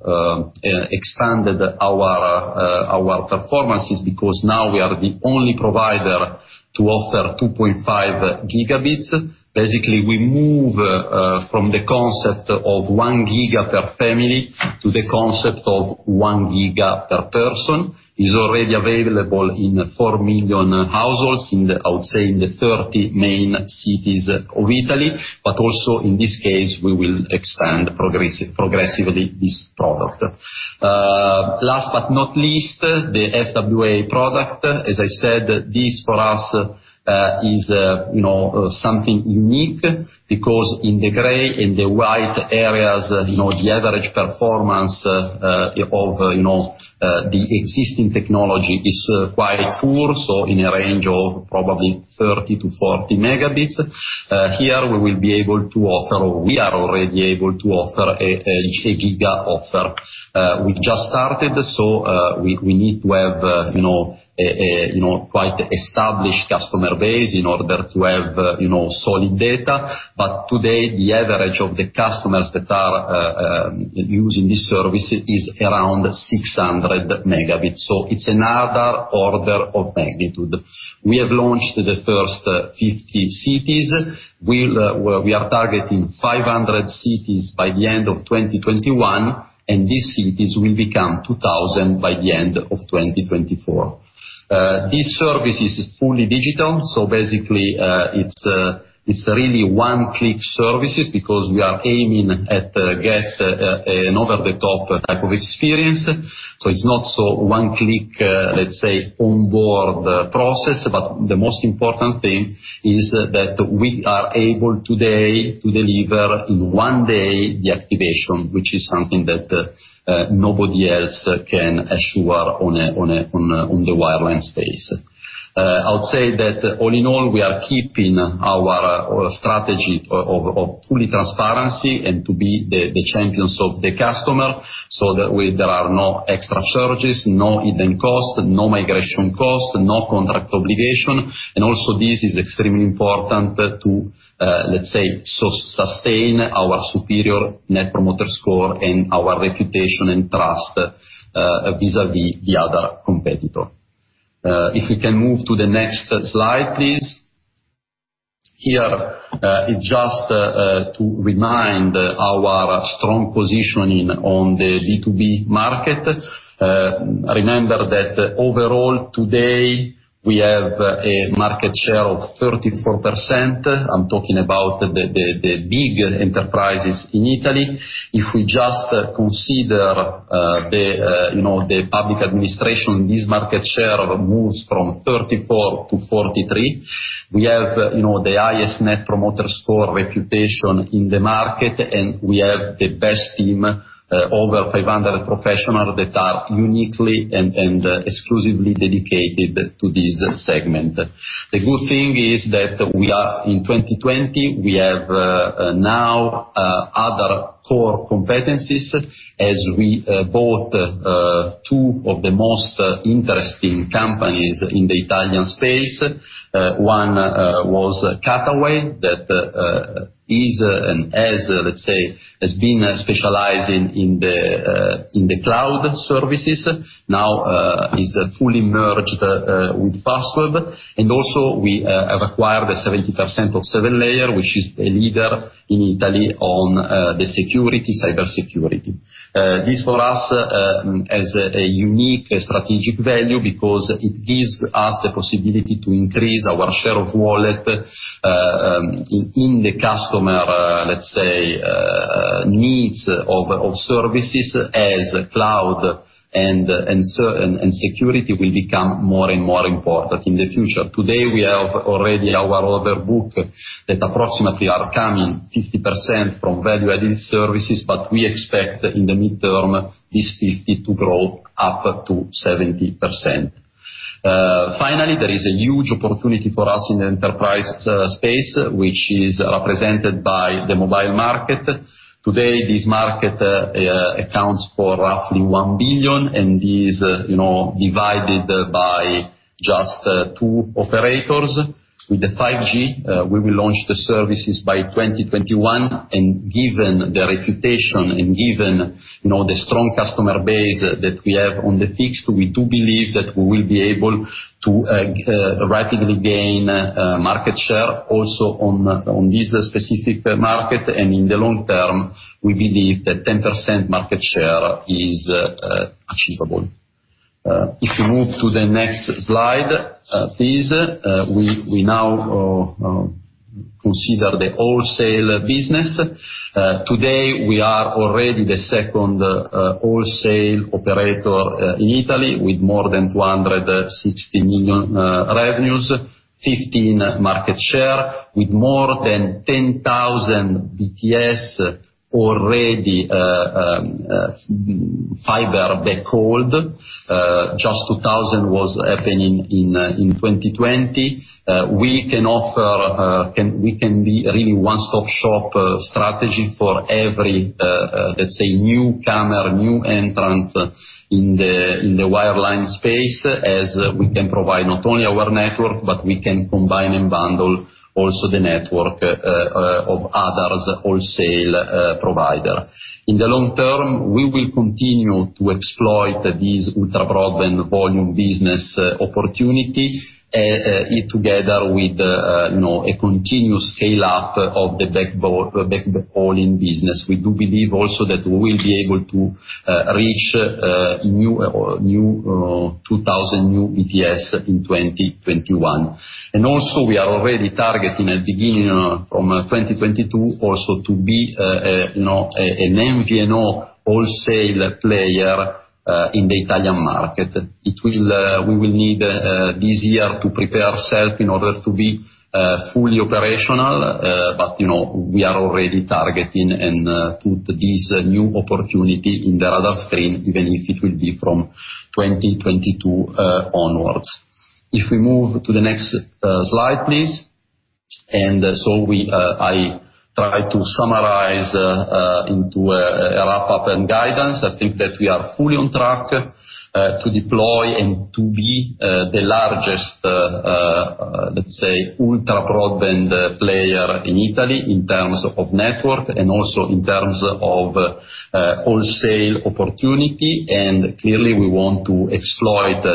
expanded our performances because now we are the only provider to offer 2.5 Gbps. Basically, we move from the concept of 1 Gb per family to the concept of 1 Gb per person. It's already available in 4 million households, I would say, in the 30 main cities of Italy. Also in this case, we will expand progressively this product. Last but not least, the FWA product. As I said, this for us is something unique because in the gray and the white areas, the average performance of the existing technology is quite poor. In a range of probably 30 Mbps-40 Mbps. Here we will be able to offer, or we are already able to offer a giga offer. We've just started, so we need to have a quite established customer base in order to have solid data. Today, the average of the customers that are using this service is around 600 Mbps. It's another order of magnitude. We have launched the first 50 cities. We are targeting 500 cities by the end of 2021, and these cities will become 2,000 by the end of 2024. This service is fully digital, so basically, it's really one-click services because we are aiming at get an over-the-top type of experience. It's not so one click, let's say, onboard process. The most important thing is that we are able today to deliver in one day the activation, which is something that nobody else can assure on the wireline space. I would say that all in all, we are keeping our strategy of fully transparency and to be the champions of the customer, so that way there are no extra charges, no hidden costs, no migration costs, no contract obligation. Also this is extremely important to, let's say, sustain our superior Net Promoter Score and our reputation and trust vis-à-vis the other competitor. If we can move to the next slide, please. Here, just to remind our strong positioning on the B2B market. Remember that overall today, we have a market share of 34%. I'm talking about the big enterprises in Italy. If we just consider the public administration, this market share moves from 34%-43%. We have the highest Net Promoter Score reputation in the market, and we have the best team, over 500 professionals that are uniquely and exclusively dedicated to this segment. The good thing is that we are in 2020, we have now other core competencies as we bought two of the most interesting companies in the Italian space. One was Cutaway, that is and has, let's say, has been specialized in the cloud services. Now is fully merged with Fastweb. Also we acquired the 70% of 7Layers, which is a leader in Italy on the cybersecurity. This for us has a unique strategic value because it gives us the possibility to increase our share of wallet in the customer, let's say, needs of services as cloud and security will become more and more important in the future. Today, we have already our order book that approximately are coming 50% from value-added services, but we expect in the midterm this 50 to grow up to 70%. Finally, there is a huge opportunity for us in the enterprise space, which is represented by the mobile market. Today, this market accounts for roughly 1 billion and is divided by just two operators. With the 5G, we will launch the services by 2021. Given the reputation and given the strong customer base that we have on the fixed, we do believe that we will be able to radically gain market share also on this specific market and in the long term, we believe that 10% market share is achievable. If you move to the next slide, please. We now consider the wholesale business. Today, we are already the second wholesale operator in Italy with more than 260 million revenues, 15% market share with more than 10,000 BTS already fiber backhauled. Just 2,000 was happening in 2020. We can be really one-stop shop strategy for every, let's say, newcomer, new entrant in the wireline space as we can provide not only our network, but we can combine and bundle also the network of other wholesale providers. In the long term, we will continue to exploit these ultra-broadband volume business opportunity, together with a continuous scale-up of the backhauling business. We do believe also that we will be able to reach 2,000 new BTS in 2021. We are already targeting at beginning from 2022 also to be an MVNO wholesale player in the Italian market. We will need this year to prepare ourself in order to be fully operational. We are already targeting and put this new opportunity in the radar screen, even if it will be from 2022 onwards. If we move to the next slide, please. I try to summarize into a wrap-up and guidance. I think that we are fully on track to deploy and to be the largest, let's say, ultra-broadband player in Italy in terms of network and also in terms of wholesale opportunity. Clearly we want to exploit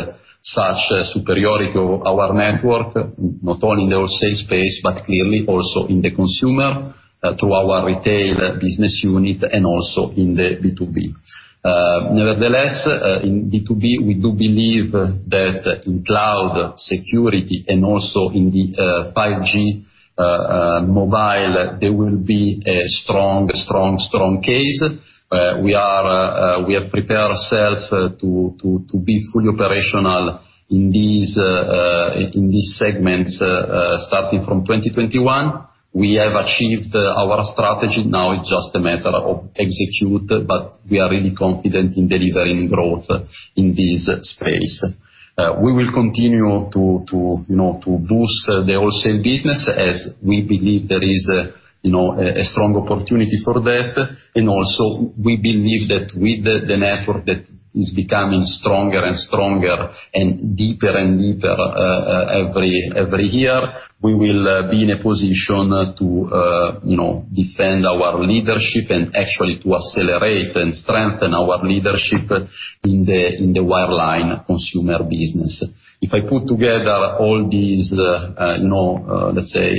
such superiority of our network, not only in the wholesale space, but clearly also in the consumer, through our retail business unit and also in the B2B. Nevertheless, in B2B, we do believe that in cloud security and also in the 5G mobile, there will be a strong case. We have prepared ourselves to be fully operational in these segments starting from 2021. We have achieved our strategy. It's just a matter of execute, but we are really confident in delivering growth in this space. We will continue to boost the wholesale business as we believe there is a strong opportunity for that. And also, we believe that with the network that is becoming stronger and stronger and deeper and deeper every year, we will be in a position to defend our leadership and actually to accelerate and strengthen our leadership in the wireline consumer business. If I put together all these, let's say,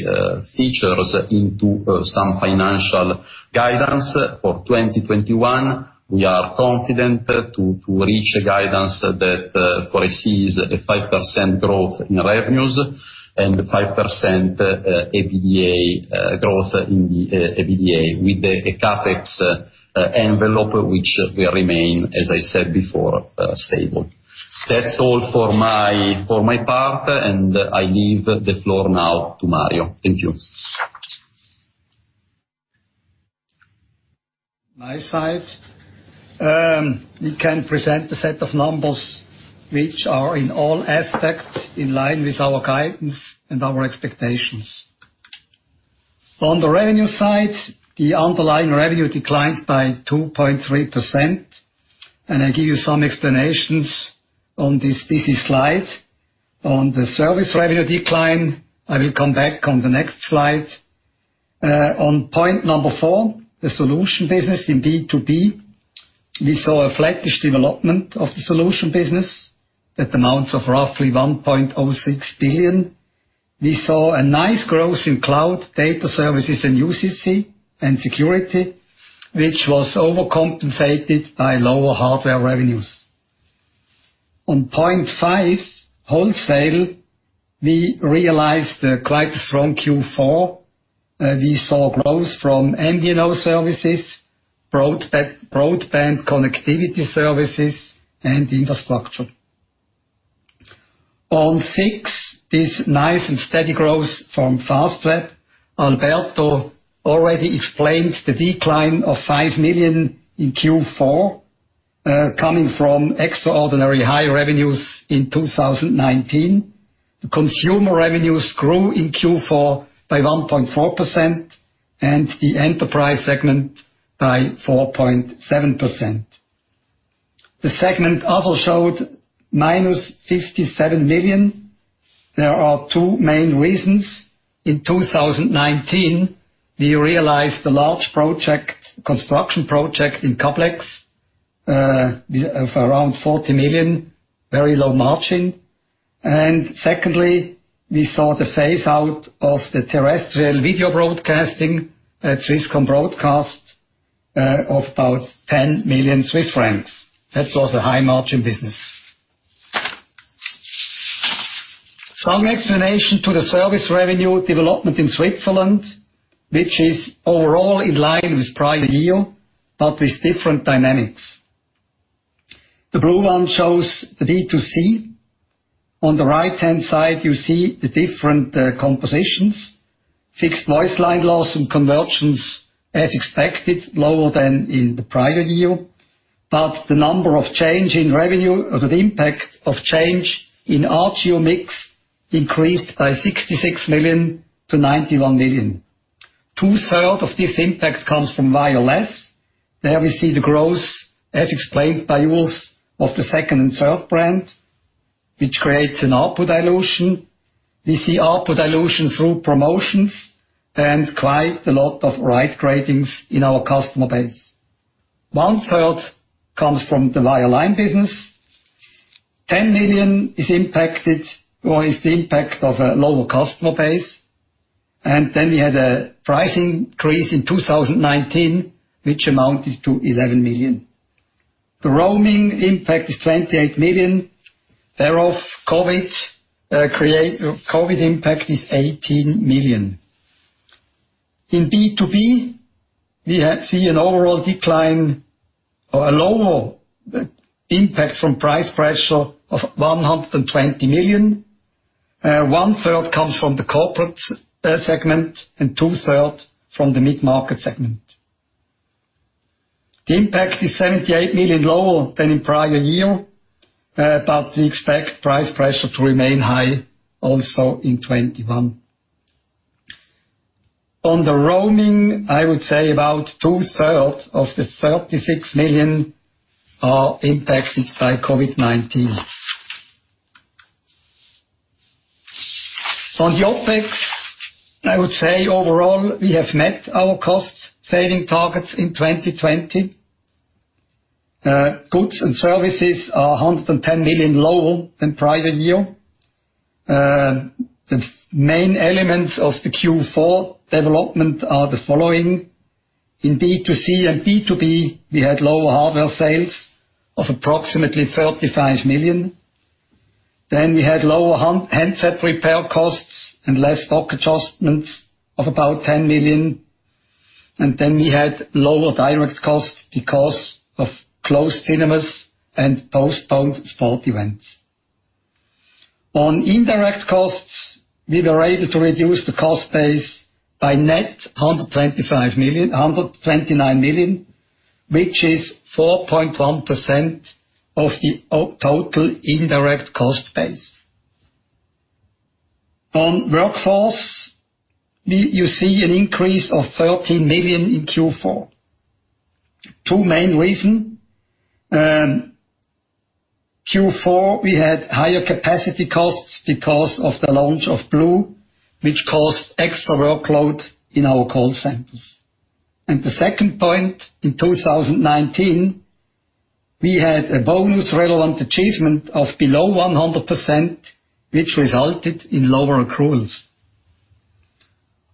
features into some financial guidance for 2021, we are confident to reach a guidance that foresees a 5% growth in revenues and 5% growth in the EBITDA with the CapEx envelope, which will remain, as I said before, stable. That's all for my part, and I leave the floor now to Mario. Thank you. My side. We can present a set of numbers which are in all aspects in line with our guidance and our expectations. On the revenue side, the underlying revenue declined by 2.3%. I give you some explanations on this busy slide. On the service revenue decline, I will come back on the next slide. On point 4, the solution business in B2B, we saw a flattish development of the solution business that amounts of roughly 1.06 billion. We saw a nice growth in cloud data services and UCC and security, which was overcompensated by lower hardware revenues. On point 5, wholesale, we realized quite a strong Q4. We saw growth from MVNO services, broadband connectivity services, and infrastructure. On 6, this nice and steady growth from Fastweb. Alberto already explained the decline of 5 million in Q4, coming from extraordinary high revenues in 2019. Consumer revenues grew in Q4 by 1.4% and the enterprise segment by 4.7%. The segment also showed -57 million. There are two main reasons. In 2019, we realized a large construction project in complex, of around 40 million, very low margin. Secondly, we saw the phase out of the terrestrial video broadcasting at Swisscom Broadcast of about 10 million Swiss francs. That was a high margin business. Some explanation to the service revenue development in Switzerland, which is overall in line with prior year, with different dynamics. The blue one shows the B2C. On the right-hand side, you see the different compositions. Fixed voice line loss and conversions, as expected, lower than in the prior year. The number of change in revenue or the impact of change in RGU mix increased by 66 million to 91 million. Two-third of this impact comes from [VLS]. There we see the growth, as explained by Urs, of the second and third brand, which creates an ARPU dilution. We see ARPU dilution through promotions and quite a lot of right gradings in our customer base. One-third comes from the wireline business. 10 million is the impact of a lower customer base. Then we had a pricing increase in 2019, which amounted to 11 million. The roaming impact is 28 million, thereof COVID impact is 18 million. In B2B, we see an overall decline or a lower impact from price pressure of 120 million. One-third comes from the corporate segment and 2/3 from the mid-market segment. The impact is 78 million lower than in prior year, we expect price pressure to remain high also in 2021. On the roaming, I would say about 2/3 of the 36 million are impacted by COVID-19. On the OpEx, overall, we have met our cost-saving targets in 2020. Goods and services are 110 million lower than prior year. The main elements of the Q4 development are the following. In B2C and B2B, we had lower hardware sales of approximately 35 million. We had lower handset repair costs and less stock adjustments of about 10 million. We had lower direct costs because of closed cinemas and postponed sport events. On indirect costs, we were able to reduce the cost base by net 129 million, which is 4.1% of the total indirect cost base. On workforce, you see an increase of 13 million in Q4. Two main reason. Q4, we had higher capacity costs because of the launch of blue, which caused extra workload in our call centers. The second point, in 2019, we had a bonus relevant achievement of below 100%, which resulted in lower accruals.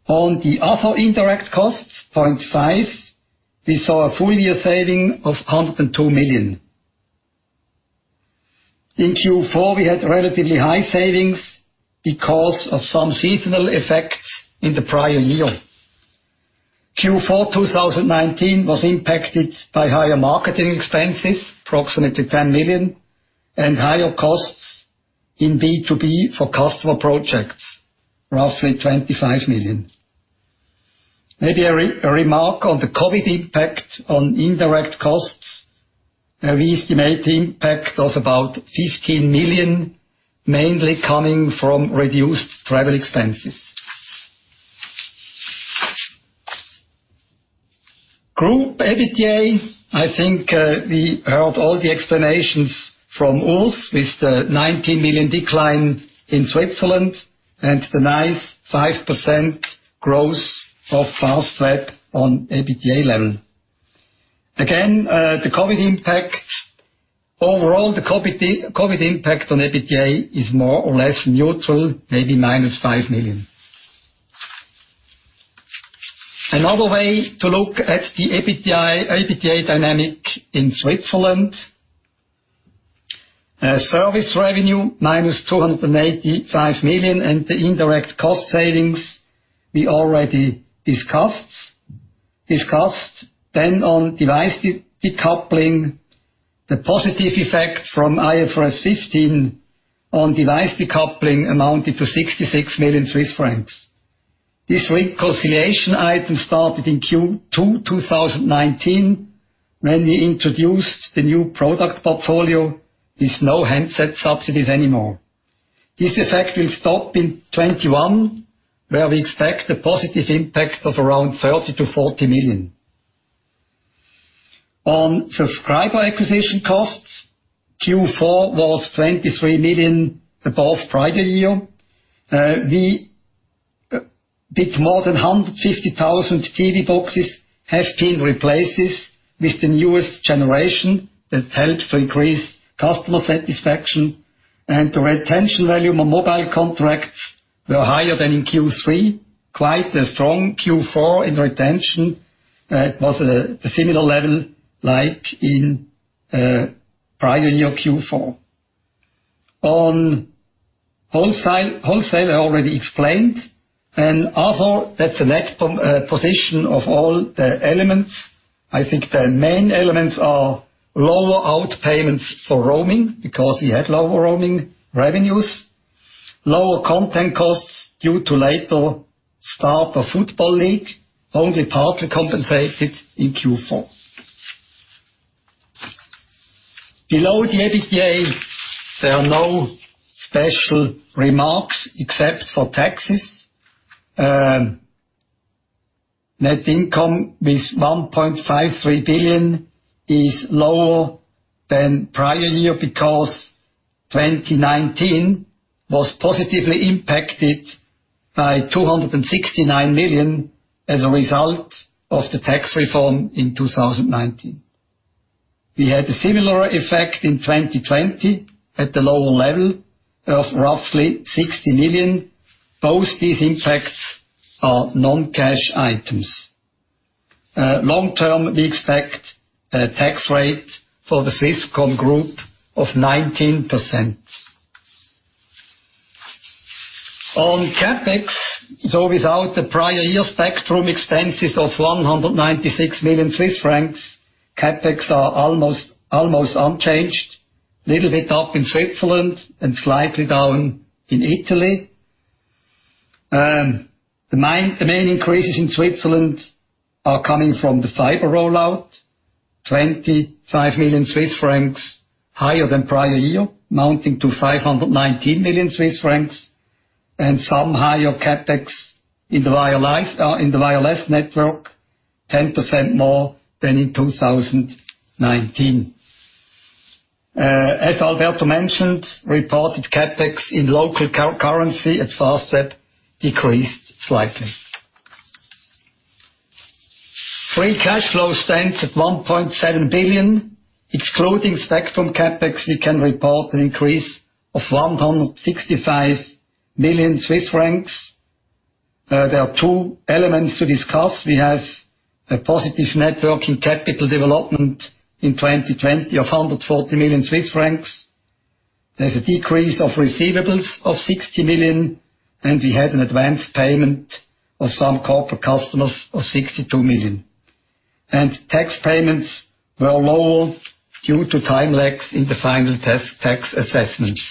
On the other indirect costs, point 5, we saw a full year saving of 102 million. In Q4, we had relatively high savings because of some seasonal effects in the prior year. Q4 2019 was impacted by higher marketing expenses, approximately 10 million, and higher costs in B2B for customer projects, roughly 25 million. Maybe a remark on the COVID impact on indirect costs. We estimate impact of about 15 million, mainly coming from reduced travel expenses. Group EBITDA, I think we heard all the explanations from Urs with the 19 million decline in Switzerland and the nice 5% growth of Fastweb on EBITDA level. Again, overall, the COVID impact on EBITDA is more or less neutral, maybe -5 million. Another way to look at the EBITDA dynamic in Switzerland. Service revenue -285 million and the indirect cost savings we already discussed. On device decoupling, the positive effect from IFRS 15 on device decoupling amounted to 66 million Swiss francs. This reconciliation item started in Q2 2019 when we introduced the new product portfolio with no handset subsidies anymore. This effect will stop in 2021, where we expect a positive impact of around 30 million-40 million. On subscriber acquisition costs, Q4 was 23 million above prior year. A bit more than 150,000 TV boxes have been replaced with the newest generation. That helps to increase customer satisfaction and the retention value on mobile contracts were higher than in Q3. Quite a strong Q4 in retention. It was a similar level like in prior year Q4. On wholesale, I already explained. Other, that's the net position of all the elements. I think the main elements are lower outpayments for roaming because we had lower roaming revenues. Lower content costs due to later start of football league, only partly compensated in Q4. Below the EBITDA, there are no special remarks except for taxes. Net income with 1.53 billion is lower than prior year because 2019 was positively impacted by 269 million as a result of the tax reform in 2019. We had a similar effect in 2020 at the lower level of roughly 60 million. Both these impacts are non-cash items. Long term, we expect a tax rate for the Swisscom Group of 19%. On CapEx, without the prior year spectrum expenses of 196 million Swiss francs, CapEx are almost unchanged. Little bit up in Switzerland and slightly down in Italy. The main increases in Switzerland are coming from the fiber rollout, 25 million Swiss francs higher than prior year, mounting to 519 million Swiss francs and some higher CapEx in the wireless network, 10% more than in 2019. As Alberto mentioned, reported CapEx in local currency at Fastweb decreased slightly. Free cash flow stands at 1.7 billion. Excluding spectrum CapEx, we can report an increase of 165 million Swiss francs. There are two elements to discuss. We have a positive net working capital development in 2020 of 140 million Swiss francs. There's a decrease of receivables of 60 million, and we had an advance payment of some corporate customers of 62 million. Tax payments were lower due to time lags in the final tax assessments.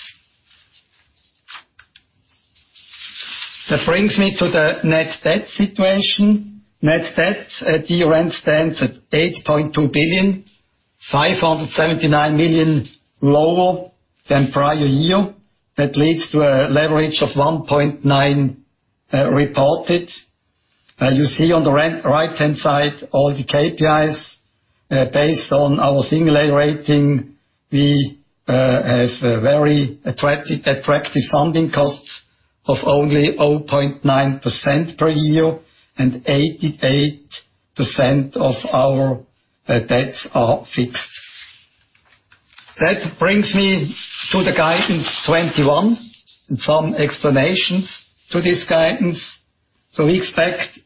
That brings me to the net debt situation. Net debt at year-end stands at 8.2 billion, 579 million lower than prior year. That leads to a leverage of 1.9 reported. You see on the right-hand side all the KPIs. Based on our single A rating, we have very attractive funding costs of only 0.9% per year and 88% of our debts are fixed. That brings me to the guidance 2021 and some explanations to this guidance. We expect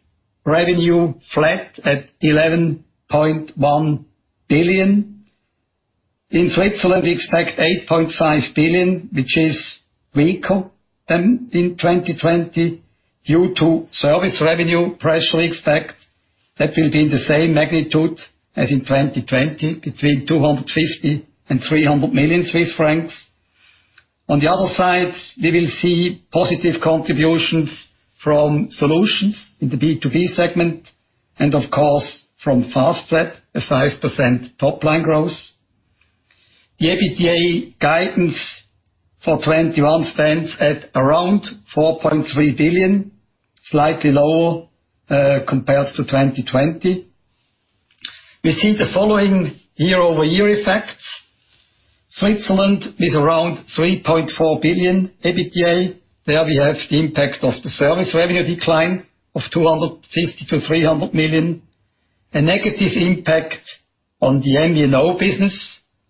revenue flat at 11.1 billion. In Switzerland, we expect 8.5 billion, which is weaker than in 2020 due to service revenue pressure we expect that will be in the same magnitude as in 2020, between 250 million and 300 million Swiss francs. On the other side, we will see positive contributions from solutions in the B2B segment and of course from Fastweb, a 5% top-line growth. The EBITDA guidance for 2021 stands at around 4.3 billion, slightly lower compared to 2020. We see the following year-over-year effects. Switzerland with around 3.4 billion EBITDA. There we have the impact of the service revenue decline of 250 million-300 million. A negative impact on the MVNO business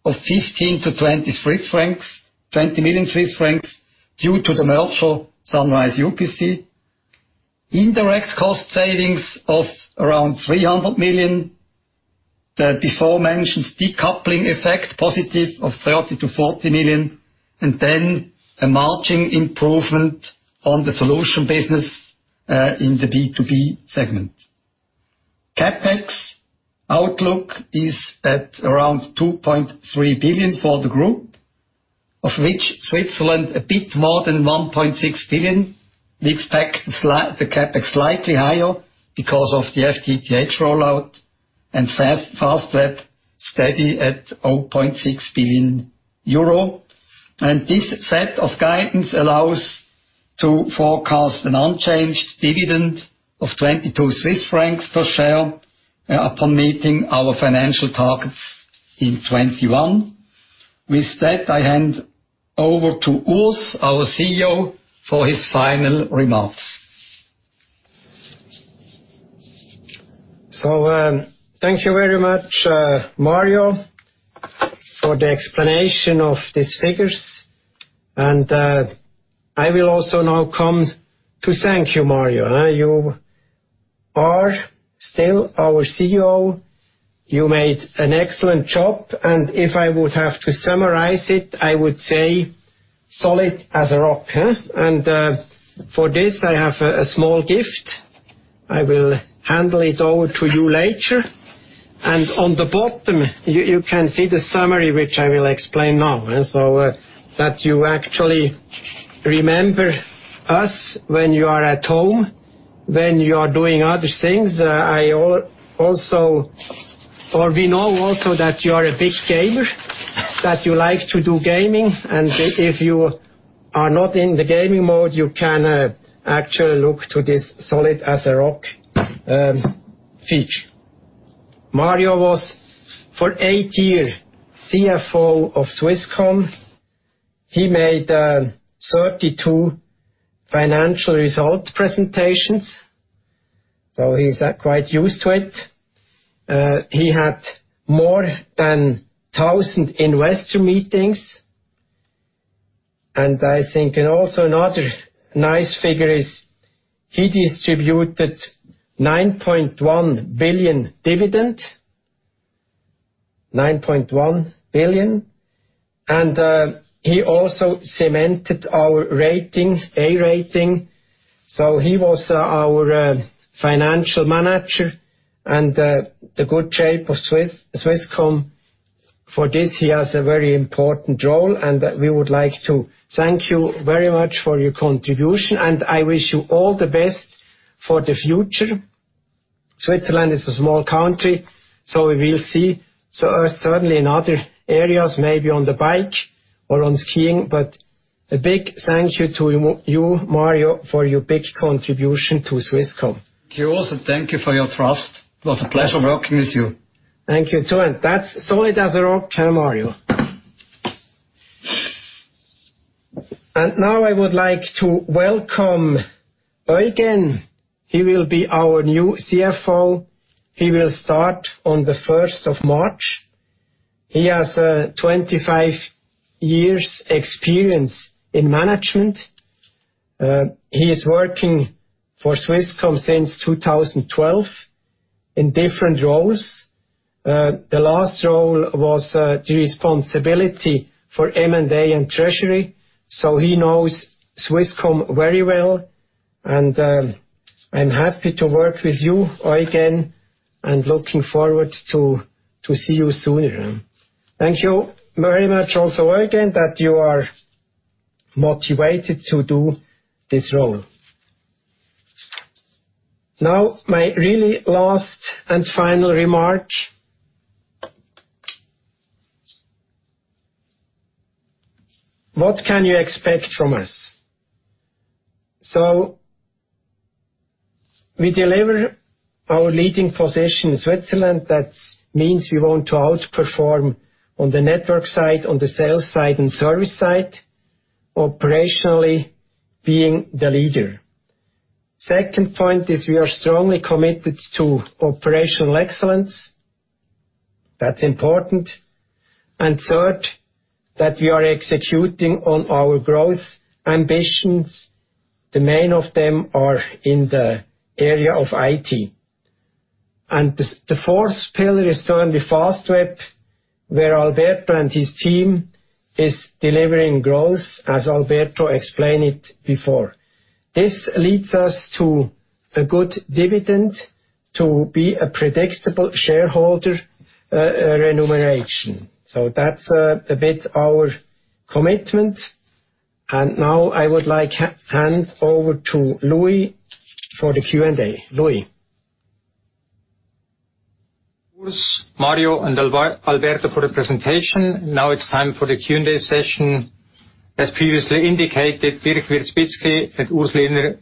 of 15 million Swiss francs- 20 million Swiss francs due to the merger Sunrise UPC. Indirect cost savings of around 300 million. The before mentioned decoupling effect, positive of 30 million- 40 million. A margin improvement on the solution business in the B2B segment. CapEx outlook is at around 2.3 billion for the group, of which Switzerland a bit more than 1.6 billion. We expect the CapEx slightly higher because of the FTTH rollout and Fastweb steady at 0.6 billion euro. This set of guidance allows to forecast an unchanged dividend of 22 Swiss francs per share upon meeting our financial targets in 2021. With that, I hand over to Urs, our CEO, for his final remarks. Thank you very much, Mario, for the explanation of these figures. I will also now come to thank you, Mario. You are still our CFO. You made an excellent job, if I would have to summarize it, I would say solid as a rock. For this, I have a small gift. I will hand it over to you later. On the bottom, you can see the summary, which I will explain now. That you actually remember us when you are at home, when you are doing other things. We know also that you are a big gamer, that you like to do gaming. If you are not in the gaming mode, you can actually look to this solid as a rock feature. Mario was for eight years CFO of Swisscom. He made 32 financial result presentations, he's quite used to it. He had more than 1,000 investor meetings. I think and also another nice figure is he distributed 9.1 billion dividend. 9.1 billion. He also cemented our A rating. He was our financial manager and the good shape of Swisscom. For this, he has a very important role, and we would like to thank you very much for your contribution. I wish you all the best for the future. Switzerland is a small country, we will see certainly in other areas, maybe on the bike or on skiing. A big thank you to you, Mario, for your big contribution to Swisscom. Thank you also. Thank you for your trust. It was a pleasure working with you. Thank you too. That's solid as a rock, Mario. Now I would like to welcome Eugen. He will be our new CFO. He will start on the 1st of March. He has 25 years' experience in management. He is working for Swisscom since 2012 in different roles. The last role was the responsibility for M&A and treasury. He knows Swisscom very well, and I'm happy to work with you, Eugen, and looking forward to see you sooner. Thank you very much also, Eugen, that you are motivated to do this role. Now, my really last and final remark. What can you expect from us? We deliver our leading position in Switzerland. That means we want to outperform on the network side, on the sales side, and service side, operationally being the leader. Second point is we are strongly committed to operational excellence. That's important. Third, that we are executing on our growth ambitions. The main of them are in the area of IT. The fourth pillar is certainly Fastweb, where Alberto and his team is delivering growth as Alberto explained it before. This leads us to a good dividend to be a predictable shareholder remuneration. That's a bit our commitment. Now I would like hand over to Louis for the Q&A. Louis. Urs, Mario, and Alberto for the presentation. Now it's time for the Q&A session. As previously indicated, Dirk Wierzbitzki and Urs Lehner